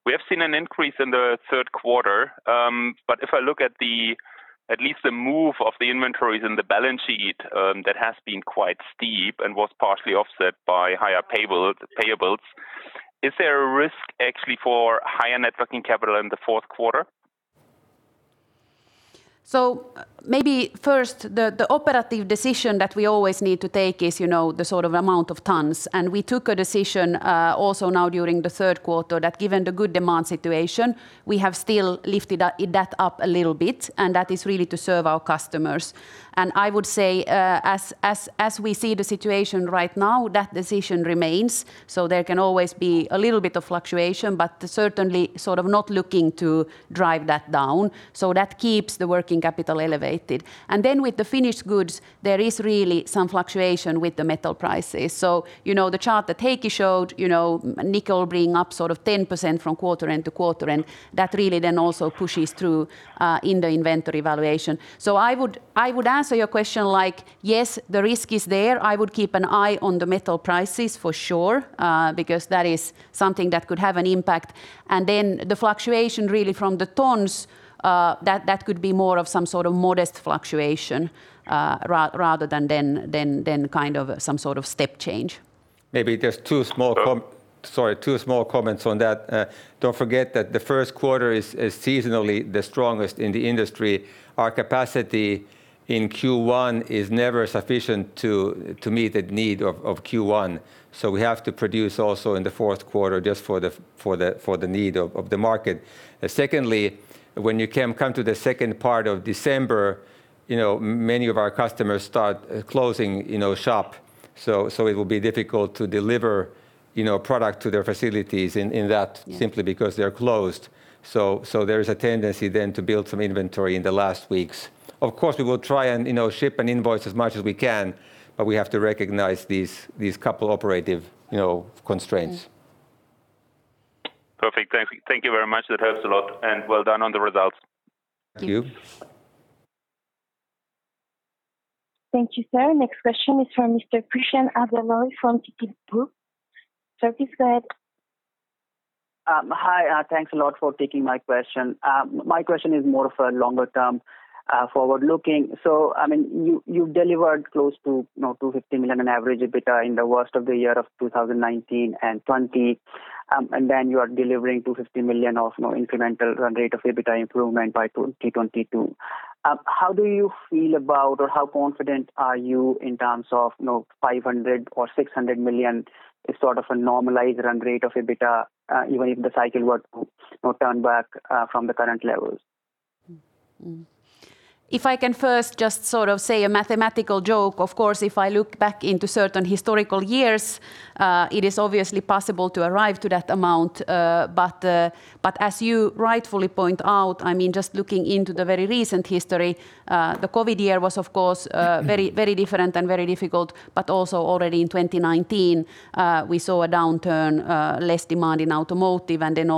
We have seen an increase in the third quarter, but if I look at least at the move of the inventories in the balance sheet, that has been quite steep and was partially offset by higher payables. Is there a risk actually for higher net working capital in the fourth quarter? Maybe first, the operative decision that we always need to take is, you know, the sort of amount of tons. We took a decision also now during the third quarter that given the good demand situation, we have still lifted that up a little bit, and that is really to serve our customers. I would say, as we see the situation right now, that decision remains. There can always be a little bit of fluctuation, but certainly sort of not looking to drive that down. That keeps the working capital elevated. Then with the finished goods, there is really some fluctuation with the metal prices. You know, the chart that Heikki showed, you know, nickel being up sort of 10% from quarter-end-to-quarter-end, that really then also pushes through in the inventory valuation. I would answer your question like, yes, the risk is there. I would keep an eye on the metal prices for sure, because that is something that could have an impact. Then the fluctuation really from the tons, that could be more of some sort of modest fluctuation, rather than kind of some sort of step change. Maybe just two small com- So- Sorry, two small comments on that. Don't forget that the first quarter is seasonally the strongest in the industry. Our capacity in Q1 is never sufficient to meet the need of Q1, so we have to produce also in the fourth quarter just for the need of the market. Secondly, when you come to the second part of December, you know, many of our customers start closing, you know, shop, so it will be difficult to deliver, you know, product to their facilities in that- Yeah simply because they're closed. There is a tendency then to build some inventory in the last weeks. Of course, we will try and, you know, ship and invoice as much as we can, but we have to recognize these couple operational, you know, constraints. Perfect. Thank you very much. That helps a lot, and well done on the results. Thank you. Thank you. Thank you, sir. Next question is from Mr. Krishan Agarwal from Citigroup. Sir, please go ahead. Hi, thanks a lot for taking my question. My question is more of a longer term, forward-looking. I mean, you delivered close to, you know, 250 million in average EBITDA in the worst of the years 2019 and 2020. Then you are delivering 250 million of, you know, incremental run rate of EBITDA improvement by 2022. How do you feel about or how confident are you in terms of, you know, 500 million or 600 million is sort of a normalized run rate of EBITDA, even if the cycle were to, you know, turn back from the current levels? If I can first just sort of say a mathematical joke, of course, if I look back into certain historical years, it is obviously possible to arrive to that amount. But as you rightfully point out, I mean, just looking into the very recent history, the COVID year was of course very, very different and very difficult, but also already in 2019, we saw a downturn, less demand in automotive and then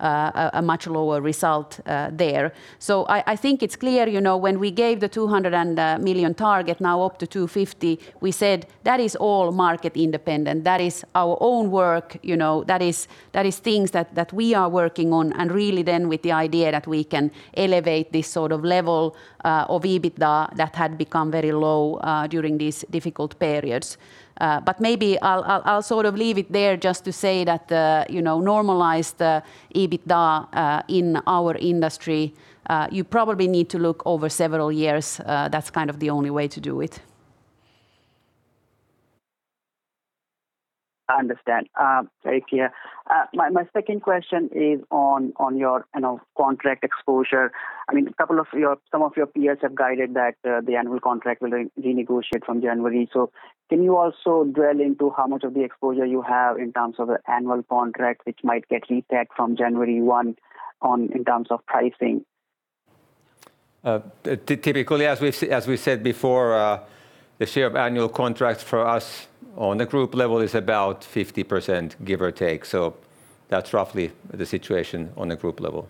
also a much lower result there. I think it's clear, you know, when we gave the 200 million target now up to 250 million, we said that is all market independent. That is our own work, you know, that is things that we are working on and really then with the idea that we can elevate this sort of level of EBITDA that had become very low during these difficult periods. Maybe I'll sort of leave it there just to say that the you know normalized EBITDA in our industry you probably need to look over several years. That's kind of the only way to do it. I understand. Very clear. My second question is on your contract exposure. I mean, some of your peers have guided that the annual contract will renegotiate from January. Can you also drill into how much of the exposure you have in terms of annual contract which might get reset from January 1 on in terms of pricing? Typically, as we've said before, the share of annual contracts for us on the group level is about 50%, give or take. That's roughly the situation on the group level.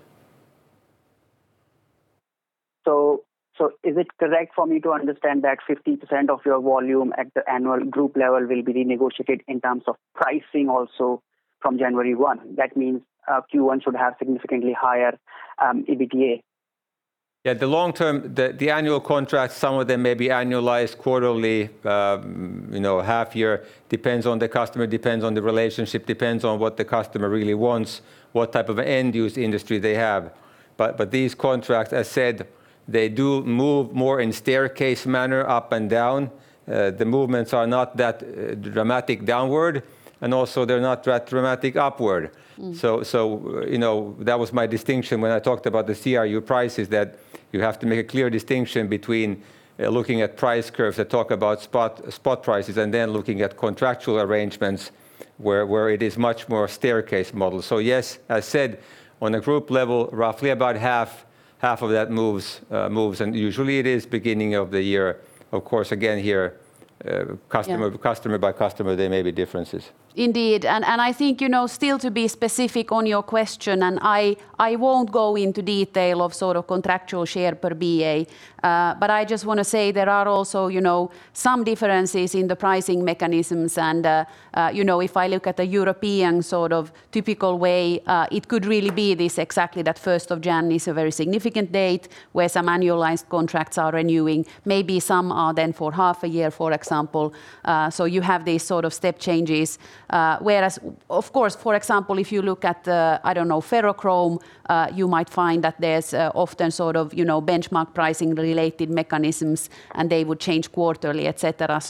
Is it correct for me to understand that 50% of your volume at the annual group level will be renegotiated in terms of pricing also from January 1? That means Q1 should have significantly higher EBITDA Yeah, the long term, the annual contracts, some of them may be annualized quarterly, you know, half year. Depends on the customer, depends on the relationship, depends on what the customer really wants, what type of end-use industry they have. These contracts, as said, they do move more in staircase manner up and down. The movements are not that dramatic downward, and also they're not dramatic upward. Mm. So, you know, that was my distinction when I talked about the CRU prices, that you have to make a clear distinction between looking at price curves that talk about spot prices and then looking at contractual arrangements where it is much more staircase model. Yes, as said, on a group level, roughly about half of that moves, and usually it is beginning of the year. Of course, again here. Yeah Customer-by-customer there may be differences. Indeed. I think, you know, still to be specific on your question, and I won't go into detail of sort of contractual share per BA, but I just wanna say there are also, you know, some differences in the pricing mechanisms and, you know, if I look at the European sort of typical way, it could really be this exactly that 1st of January is a very significant date where some annualized contracts are renewing. Maybe some are then for half a year, for example, so you have these sort of step changes. Whereas of course, for example, if you look at the, I don't know, ferrochrome, you might find that there's, often sort of, you know, benchmark pricing related mechanisms, and they would change quarterly, et cetera.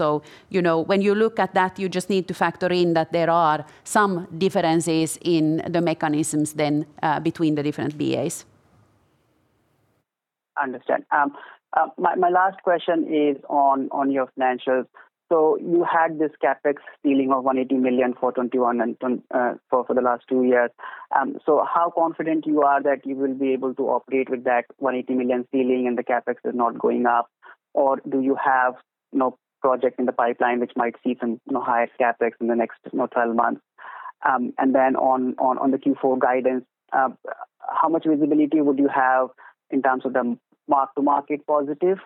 You know, when you look at that, you just need to factor in that there are some differences in the mechanisms then between the different BAs. Understand. My last question is on your financials. You had this CapEx ceiling of 180 million for 2021 and for the last two years. How confident you are that you will be able to operate with that 180 million ceiling and the CapEx is not going up? Or do you have, you know, project in the pipeline which might see some, you know, higher CapEx in the next, you know, 12 months? And then on the Q4 guidance, how much visibility would you have in terms of the mark-to-market positive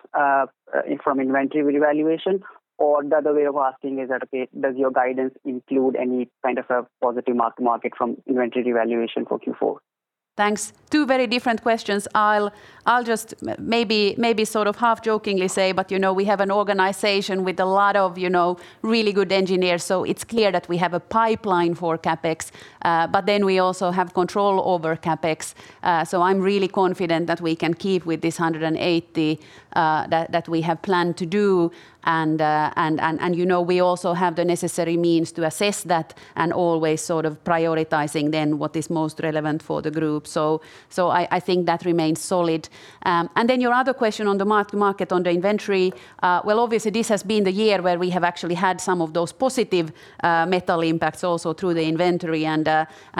from inventory revaluation? Or the other way of asking is that, okay, does your guidance include any kind of a positive mark-to-market from inventory valuation for Q4? Thanks. Two very different questions. I'll just maybe sort of half jokingly say, but you know we have an organization with a lot of, you know, really good engineers, so it's clear that we have a pipeline for CapEx, but then we also have control over CapEx. I'm really confident that we can keep with this 180 million that we have planned to do. You know we also have the necessary means to assess that and always sort of prioritizing then what is most relevant for the group. I think that remains solid. Then your other question on the mark to market on the inventory, well obviously this has been the year where we have actually had some of those positive metal impacts also through the inventory.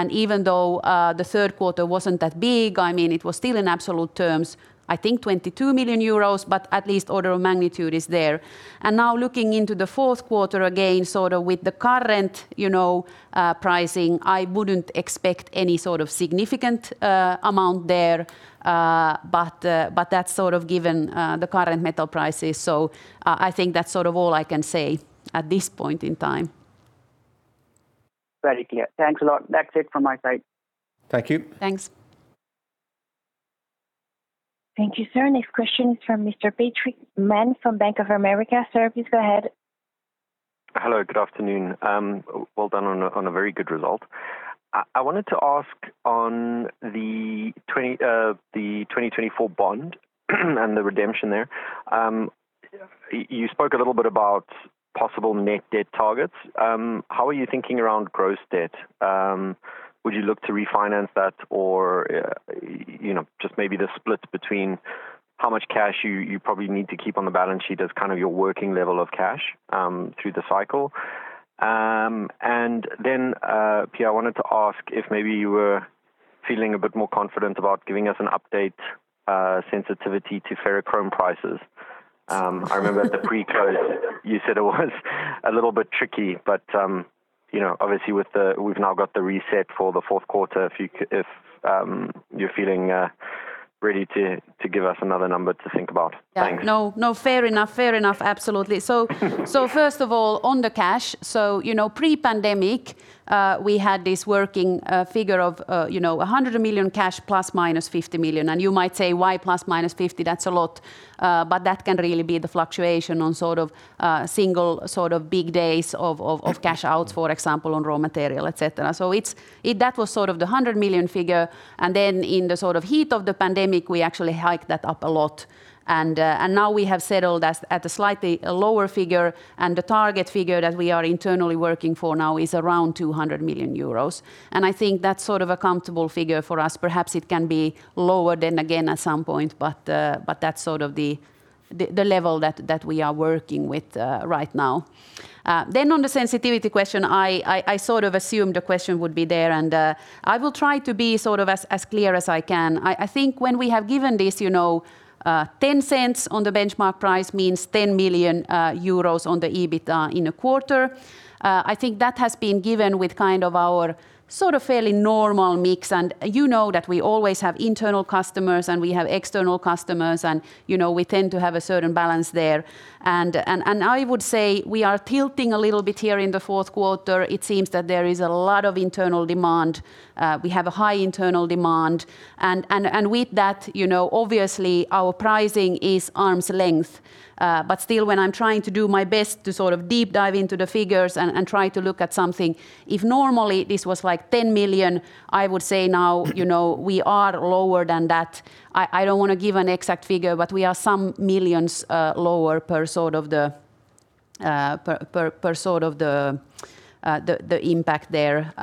Even though the third quarter wasn't that big, I mean, it was still in absolute terms, I think 22 million euros, but at least order of magnitude is there. Now looking into the fourth quarter, again, sort of with the current, you know, pricing, I wouldn't expect any sort of significant amount there, but that's sort of given the current metal prices. I think that's sort of all I can say at this point in time. Very clear. Thanks a lot. That's it from my side. Thank you. Thanks. Thank you, sir. Next question is from Mr. Patrick Mann from Bank of America. Sir, please go ahead. Hello, good afternoon. Well done on a very good result. I wanted to ask on the 2024 bond and the redemption there. Yeah You spoke a little bit about possible net debt targets. How are you thinking around gross debt? Would you look to refinance that or you know, just maybe the split between how much cash you probably need to keep on the balance sheet as kind of your working level of cash through the cycle? Pia, I wanted to ask if maybe you were feeling a bit more confident about giving us an update sensitivity to ferrochrome prices. I remember at the pre-close you said it was a little bit tricky, but you know, obviously with the we've now got the reset for the fourth quarter, if you're feeling ready to give us another number to think about. Thanks. Yeah. No, fair enough. Fair enough. Absolutely. First of all, on the cash, you know, pre-pandemic, we had this working figure of, you know, 100 million cash ±50 million. You might say, "Why ±50 million? That's a lot." But that can really be the fluctuation on sort of single sort of big days of cash outs, for example, on raw material, et cetera. It was sort of the 100 million figure, and then in the sort of heat of the pandemic, we actually hiked that up a lot. Now we have settled at a slightly lower figure, and the target figure that we are internally working for now is around 200 million euros. I think that's sort of a comfortable figure for us. Perhaps it can be lower than again at some point, but that's sort of the level that we are working with right now. On the sensitivity question, I sort of assumed the question would be there and I will try to be sort of as clear as I can. I think when we have given this, you know, $0.10 on the benchmark price means 10 million euros on the EBIT in a quarter, I think that has been given with kind of our sort of fairly normal mix. You know that we always have internal customers and we have external customers and, you know, we tend to have a certain balance there. I would say we are tilting a little bit here in the fourth quarter. It seems that there is a lot of internal demand. We have a high internal demand. With that, you know, obviously our pricing is arm's length. But still, when I'm trying to do my best to sort of deep dive into the figures and try to look at something, if normally this was like 10 million, I would say now, you know, we are lower than that. I don't wanna give an exact figure, but we are some millions lower per sort of the impact there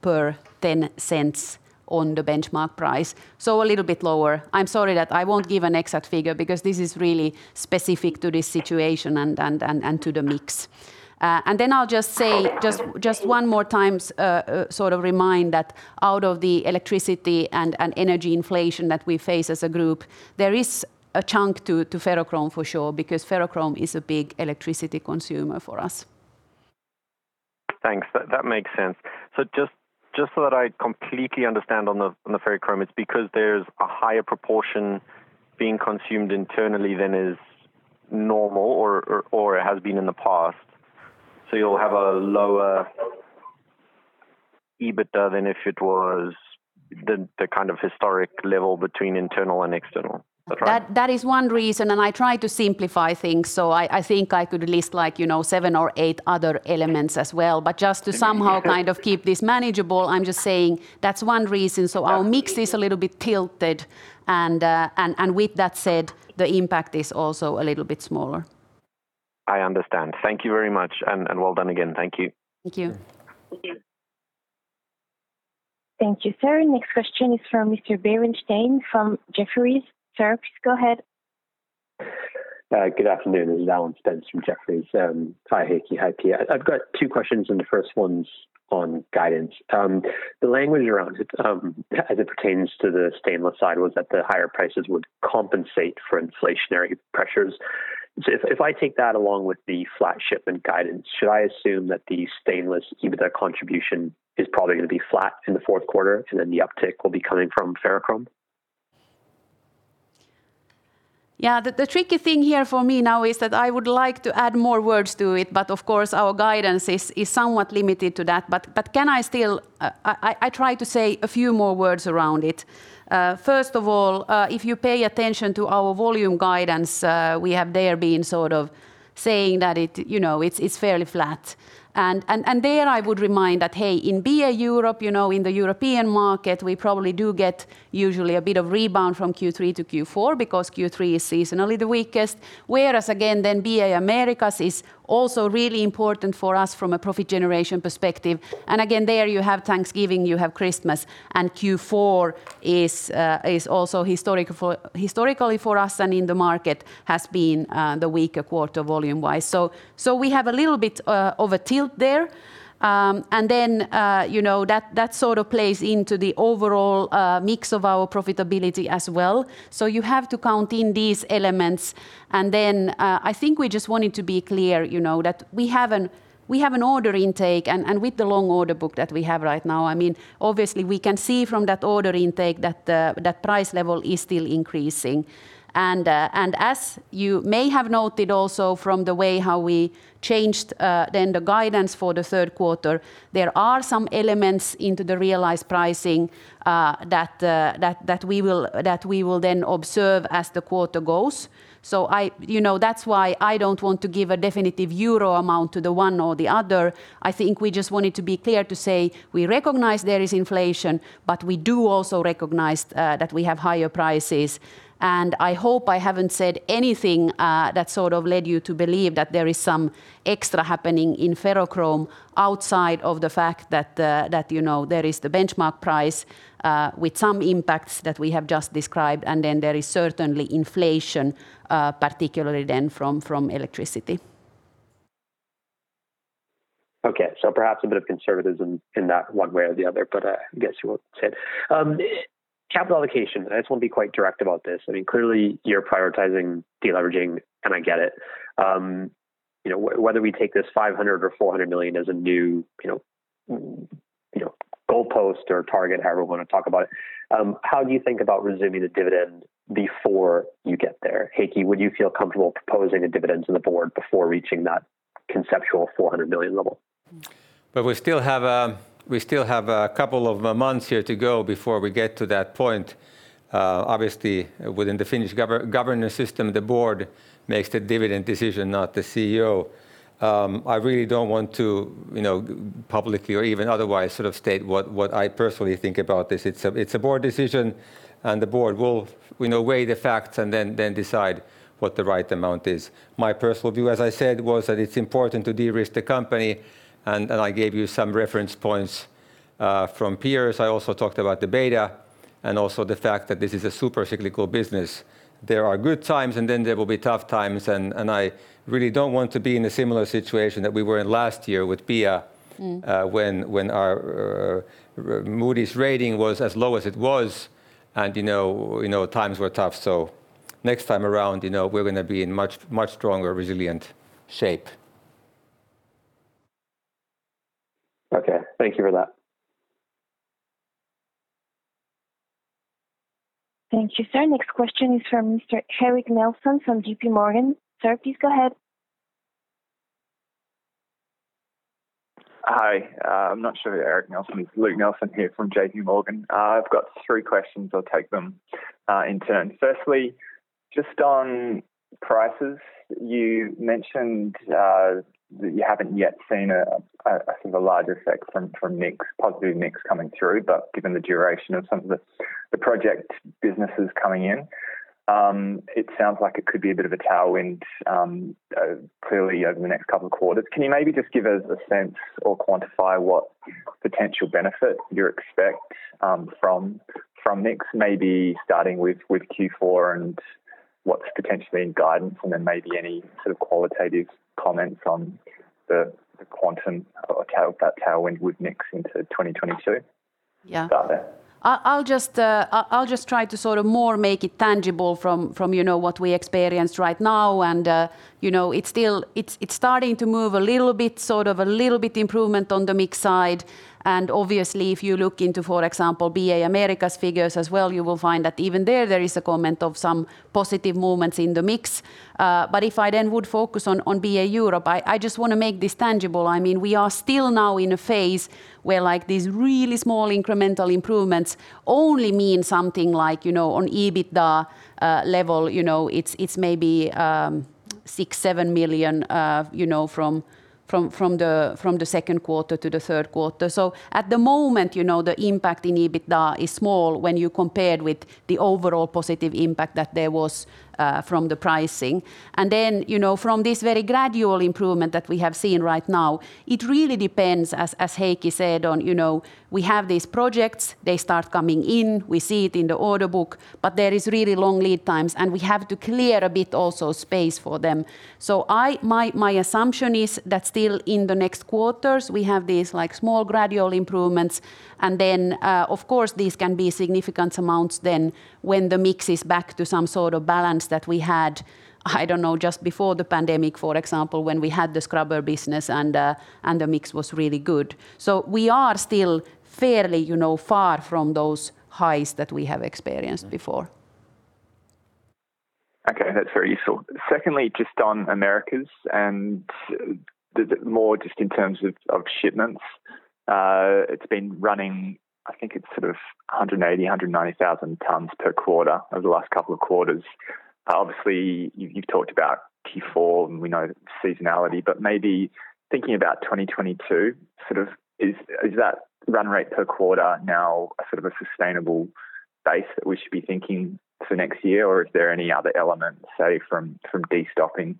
per $0.10 on the benchmark price. So a little bit lower. I'm sorry that I won't give an exact figure because this is really specific to this situation and to the mix. I'll just say just one more times, sort of remind that out of the electricity and energy inflation that we face as a group, there is a chunk to ferrochrome for sure, because ferrochrome is a big electricity consumer for us. Thanks. That makes sense. Just so that I completely understand on the ferrochrome, it's because there's a higher proportion being consumed internally than is normal or it has been in the past. You'll have a lower EBITDA than if it was the kind of historic level between internal and external. Is that right? That is one reason, and I try to simplify things, so I think I could list like, you know, seven or eight other elements as well. Just to somehow kind of keep this manageable, I'm just saying that's one reason. Our mix is a little bit tilted and with that said, the impact is also a little bit smaller. I understand. Thank you very much and well done again. Thank you. Thank you. Thank you, sir. Next question is from Mr. Alan Spence from Jefferies. Sir, please go ahead. Good afternoon. This is Alan Spence from Jefferies. Hi, Heikki. Hi, Pia. I've got two questions, and the first one's on guidance. The language around it, as it pertains to the stainless side, was that the higher prices would compensate for inflationary pressures. If I take that along with the flat shipment guidance, should I assume that the stainless EBITDA contribution is probably gonna be flat in the fourth quarter, and then the uptick will be coming from ferrochrome? Yeah. The tricky thing here for me now is that I would like to add more words to it, but of course our guidance is somewhat limited to that. Can I still I try to say a few more words around it. First of all, if you pay attention to our volume guidance, we have there been sort of saying that it, you know, it's fairly flat. There I would remind that, hey, in BA Europe, you know, in the European market, we probably do get usually a bit of rebound from Q3 to Q4 because Q3 is seasonally the weakest. Whereas again, then BA Americas is also really important for us from a profit generation perspective. Again, there you have Thanksgiving, you have Christmas, and Q4 is also historic for... Historically for us and in the market has been the weaker quarter volume-wise. We have a little bit of a tilt there. You know, that sort of plays into the overall mix of our profitability as well. You have to count in these elements. I think we just wanted to be clear, you know, that we have an order intake and with the long order book that we have right now. I mean, obviously we can see from that order intake that price level is still increasing. As you may have noted also from the way how we changed then the guidance for the third quarter, there are some elements into the realized pricing that we will then observe as the quarter goes. You know, that's why I don't want to give a definitive EUR amount to the one or the other. I think we just wanted to be clear to say we recognize there is inflation, but we do also recognize that we have higher prices. I hope I haven't said anything that sort of led you to believe that there is some extra happening in ferrochrome outside of the fact that you know there is the benchmark price with some impacts that we have just described, and then there is certainly inflation, particularly then from electricity. Perhaps a bit of conservatism in that one way or the other, but I guess you won't say it. Capital allocation, I just want to be quite direct about this. I mean, clearly you're prioritizing de-leveraging, and I get it. You know, whether we take this 500 million or 400 million as a new, you know, goalpost or target, however you want to talk about it, how do you think about resuming the dividend before you get there? Heikki, would you feel comfortable proposing a dividend to the board before reaching that conceptual 400 million level? We still have a couple of months here to go before we get to that point. Obviously within the Finnish governance system, the board makes the dividend decision, not the CEO. I really don't want to, you know, publicly or even otherwise sort of state what I personally think about this. It's a board decision, and the board will, you know, weigh the facts and then decide what the right amount is. My personal view, as I said, was that it's important to de-risk the company, and I gave you some reference points from peers. I also talked about the beta and also the fact that this is a super cyclical business. There are good times, and then there will be tough times, and I really don't want to be in a similar situation that we were in last year with Pia. Mm. When our Moody's rating was as low as it was and, you know, times were tough. Next time around, you know, we're gonna be in much stronger, resilient shape. Okay. Thank you for that. Thank you, sir. Next question is from Mr. Luke Nelson from JPMorgan. Sir, please go ahead. Hi. It's Luke Nelson here from JPMorgan. I've got three questions. I'll take them in turn. First, just on prices, you mentioned that you haven't yet seen a sort of a large effect from mix, positive mix coming through, but given the duration of some of the project businesses coming in, it sounds like it could be a bit of a tailwind, clearly over the next couple of quarters. Can you maybe just give us a sense or quantify what potential benefit you expect from mix, maybe starting with Q4 and what's potentially in guidance and then maybe any sort of qualitative comments on the quantum or how that tailwind would mix into 2022? Yeah. I'll just try to sort of more make it tangible from, you know, what we experienced right now and, you know, it's starting to move a little bit, sort of a little bit improvement on the mix side and obviously if you look into, for example, BA Americas figures as well, you will find that even there is a comment of some positive movements in the mix. But if I then would focus on BA Europe, I just wanna make this tangible. I mean, we are still now in a phase where, like, these really small incremental improvements only mean something like, you know, on EBITDA level, you know, it's maybe 6 million-7 million, you know, from the second quarter to the third quarter. At the moment, you know, the impact in EBITDA is small when you compare with the overall positive impact that there was from the pricing. From this very gradual improvement that we have seen right now, it really depends, as Heikki said, on, you know, we have these projects, they start coming in, we see it in the order book, but there is really long lead times, and we have to clear a bit also space for them. I... My assumption is that still in the next quarters, we have these, like, small gradual improvements and then, of course these can be significant amounts then when the mix is back to some sort of balance that we had, I don't know, just before the pandemic, for example, when we had the scrubber business and the mix was really good. We are still fairly, you know, far from those highs that we have experienced before. Okay, that's very useful. Secondly, just on Americas and more just in terms of shipments, it's been running. I think it's sort of 180,000-190,000 tons per quarter over the last couple of quarters. Obviously, you've talked about Q4 and we know seasonality, but maybe thinking about 2022, is that run rate per quarter now a sustainable base that we should be thinking for next year? Or is there any other element, say from destocking,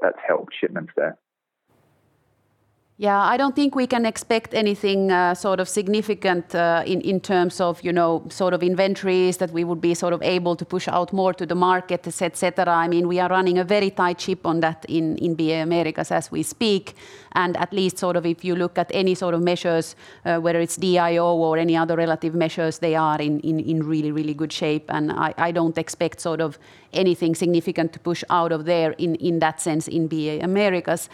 that's helped shipments there? Yeah. I don't think we can expect anything sort of significant in terms of you know sort of inventories that we would be sort of able to push out more to the market, et cetera. I mean, we are running a very tight ship on that in BA Americas as we speak, and at least sort of if you look at any sort of measures whether it's DIO or any other relative measures, they are in really good shape and I don't expect sort of anything significant to push out of there in that sense in BA Americas.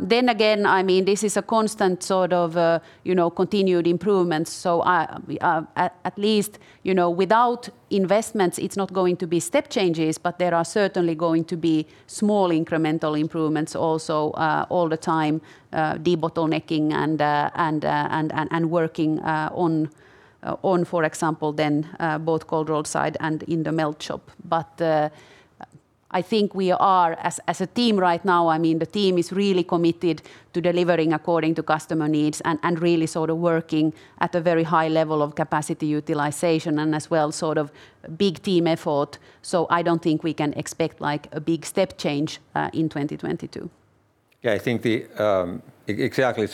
Then again, I mean, this is a constant sort of, you know, continued improvements, so I, at least, you know, without investments, it's not going to be step changes, but there are certainly going to be small incremental improvements also, all the time, debottlenecking and working on, for example, then both cold rolled side and in the melt shop. I think we are as a team right now, I mean, the team is really committed to delivering according to customer needs and really sort of working at a very high level of capacity utilization and as well sort of big team effort. I don't think we can expect like a big step change in 2022. Yeah, I think exactly.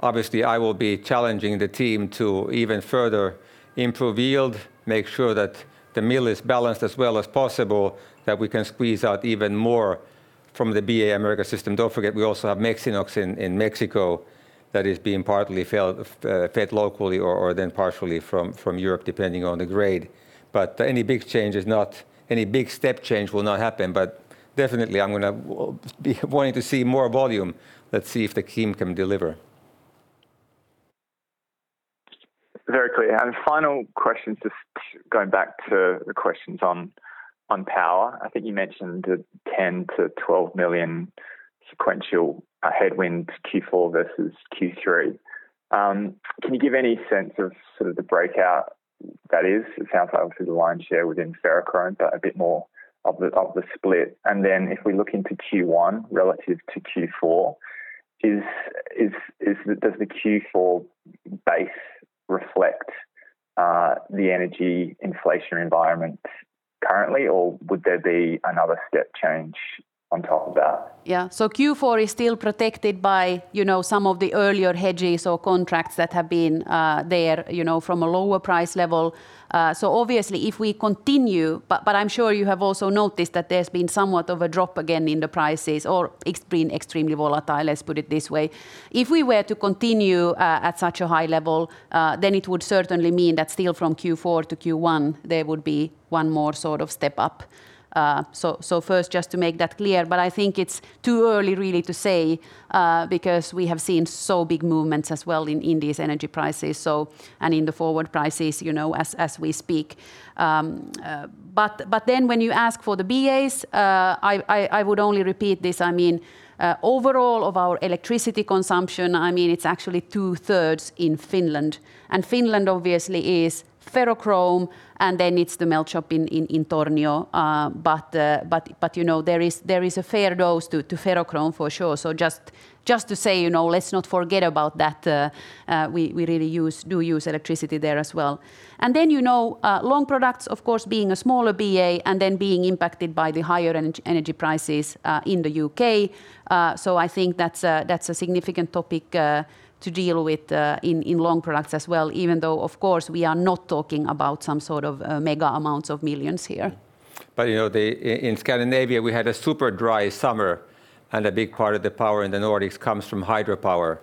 Obviously I will be challenging the team to even further improve yield, make sure that the melt is balanced as well as possible, that we can squeeze out even more from the BA Americas system. Don't forget we also have Mexinox in Mexico that is being partly fed locally or then partially from Europe, depending on the grade. Any big step change will not happen, but definitely I'm gonna be wanting to see more volume. Let's see if the team can deliver. Very clear. Final question, just going back to the questions on power. I think you mentioned the 10 million-12 million sequential headwind Q4 versus Q3. Can you give any sense of sort of the breakdown that is? It sounds like obviously the lion's share within ferrochrome, but a bit more of the split. Then if we look into Q1 relative to Q4, does the Q4 base reflect the energy inflationary environment currently, or would there be another step change on top of that? Yeah. Q4 is still protected by, you know, some of the earlier hedges or contracts that have been there, you know, from a lower price level. I'm sure you have also noticed that there's been somewhat of a drop again in the prices or it's been extremely volatile, let's put it this way. If we were to continue at such a high level, then it would certainly mean that still from Q4-Q1 there would be one more sort of step up. First just to make that clear. I think it's too early really to say, because we have seen so big movements as well in these energy prices, and in the forward prices, you know, as we speak. When you ask for the BAs, I would only repeat this. I mean, overall of our electricity consumption, I mean, it's actually 2/3 in Finland. Finland obviously is Ferrochrome, and then it's the melt shop in Tornio. You know, there is a fair dose to Ferrochrome for sure. Just to say, you know, let's not forget about that. We really do use electricity there as well. You know, Long Products, of course, being a smaller BA and then being impacted by the higher energy prices in the U.K. I think that's a significant topic to deal with in Long Products as well even though, of course, we are not talking about some sort of mega amounts of millions here. You know, in Scandinavia we had a super dry summer, and a big part of the power in the Nordics comes from hydropower.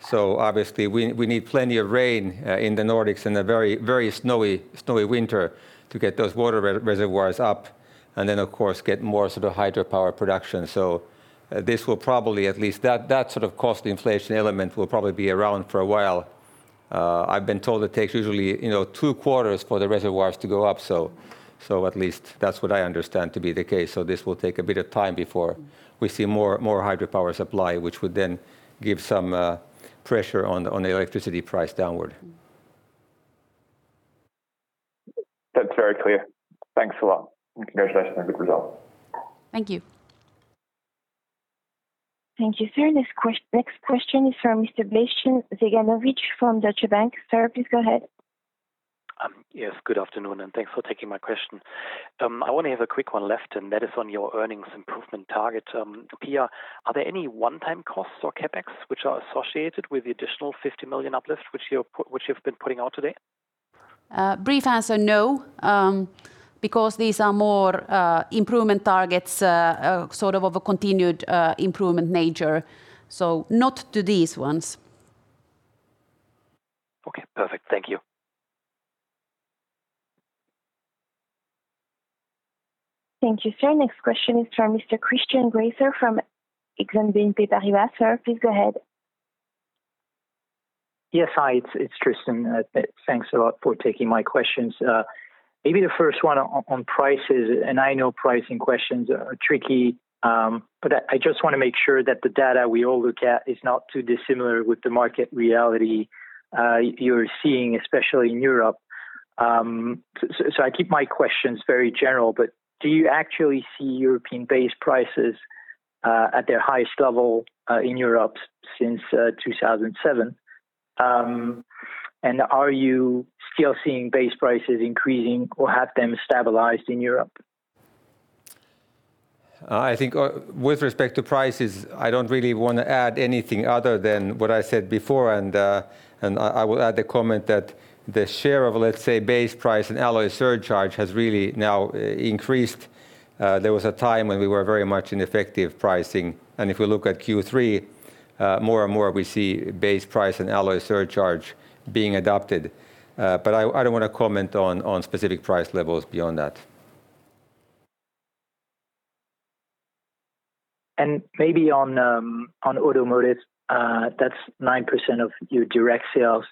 So obviously we need plenty of rain in the Nordics and a very snowy winter to get those water reservoirs up and then of course get more sort of hydropower production. So this will probably at least. That sort of cost inflation element will probably be around for a while. I've been told it takes usually, you know, two quarters for the reservoirs to go up so at least that's what I understand to be the case. So this will take a bit of time before we see more hydropower supply, which would then give some pressure on the electricity price downward. That's very clear. Thanks a lot, and congratulations on a good result. Thank you. Thank you, sir. Next question is from Mr. Bastian Synagowitz from Deutsche Bank. Sir, please go ahead. Yes, good afternoon, and thanks for taking my question. I only have a quick one left, and that is on your earnings improvement target. Pia, are there any one-time costs or CapEx which are associated with the additional 50 million uplift which you've been putting out today? Brief answer no, because these are more improvement targets, sort of of a continued improvement nature, so not to these ones. Okay, perfect. Thank you. Thank you, sir. Next question is from Mr. Tristan Gresser from Exane BNP Paribas. Sir, please go ahead. Hi, it's Tristan. Thanks a lot for taking my questions. Maybe the first one on prices, and I know pricing questions are tricky, but I just wanna make sure that the data we all look at is not too dissimilar with the market reality you're seeing especially in Europe. So I keep my questions very general, but do you actually see European base prices at their highest level in Europe since 2007? And are you still seeing base prices increasing or have they stabilized in Europe? I think, with respect to prices, I don't really wanna add anything other than what I said before. I will add the comment that the share of, let's say, base price and alloy surcharge has really now increased. There was a time when we were very much in effective pricing. If we look at Q3, more and more we see base price and alloy surcharge being adopted. But I don't wanna comment on specific price levels beyond that. Maybe on Automotive, that's 9% of your direct sales.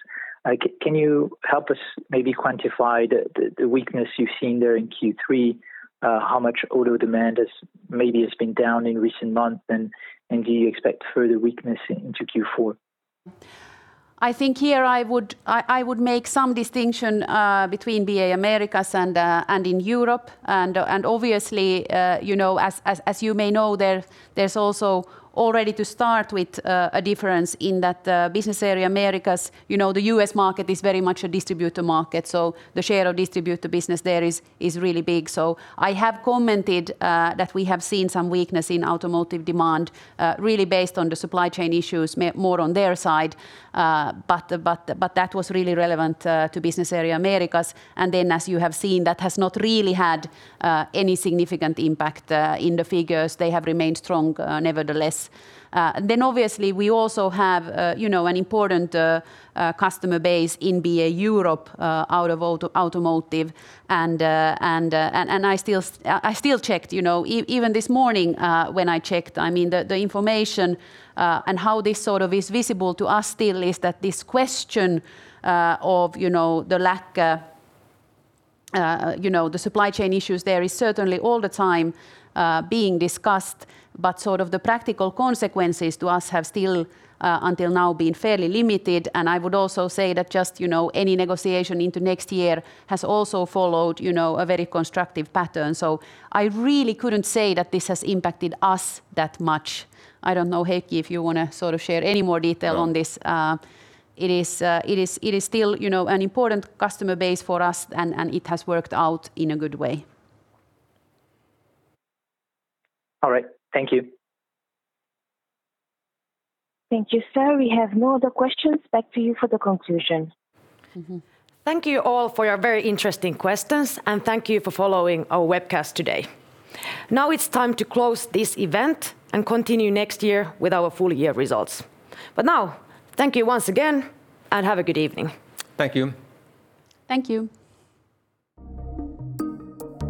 Can you help us maybe quantify the weakness you've seen there in Q3? How much auto demand has maybe been down in recent months, and do you expect further weakness into Q4? I think here I would make some distinction between BA Americas and in Europe. Obviously, you know, as you may know, there's also already to start with a difference in that business area Americas. You know, the U.S. market is very much a distributor market, so the share of distributor business there is really big. I have commented that we have seen some weakness in automotive demand really based on the supply chain issues more on their side. But that was really relevant to business area Americas. Then as you have seen, that has not really had any significant impact in the figures. They have remained strong nevertheless. Obviously we also have, you know, an important customer base in BA Europe, out of automotive. I still checked, you know, even this morning, when I checked, I mean, the information, and how this sort of is visible to us still is that this question, of, you know, the lack, you know, the supply chain issues there is certainly all the time, being discussed. Sort of the practical consequences to us have still, until now been fairly limited. I would also say that just, you know, any negotiation into next year has also followed, you know, a very constructive pattern. I really couldn't say that this has impacted us that much. I don't know, Heikki, if you wanna sort of share any more detail on this? Yeah. It is still, you know, an important customer base for us and it has worked out in a good way. All right. Thank you. Thank you, sir. We have no other questions. Back to you for the conclusion. Thank you all for your very interesting questions, and thank you for following our webcast today. Now it's time to close this event and continue next year with our full year results. Now thank you once again, and have a good evening. Thank you. Thank you.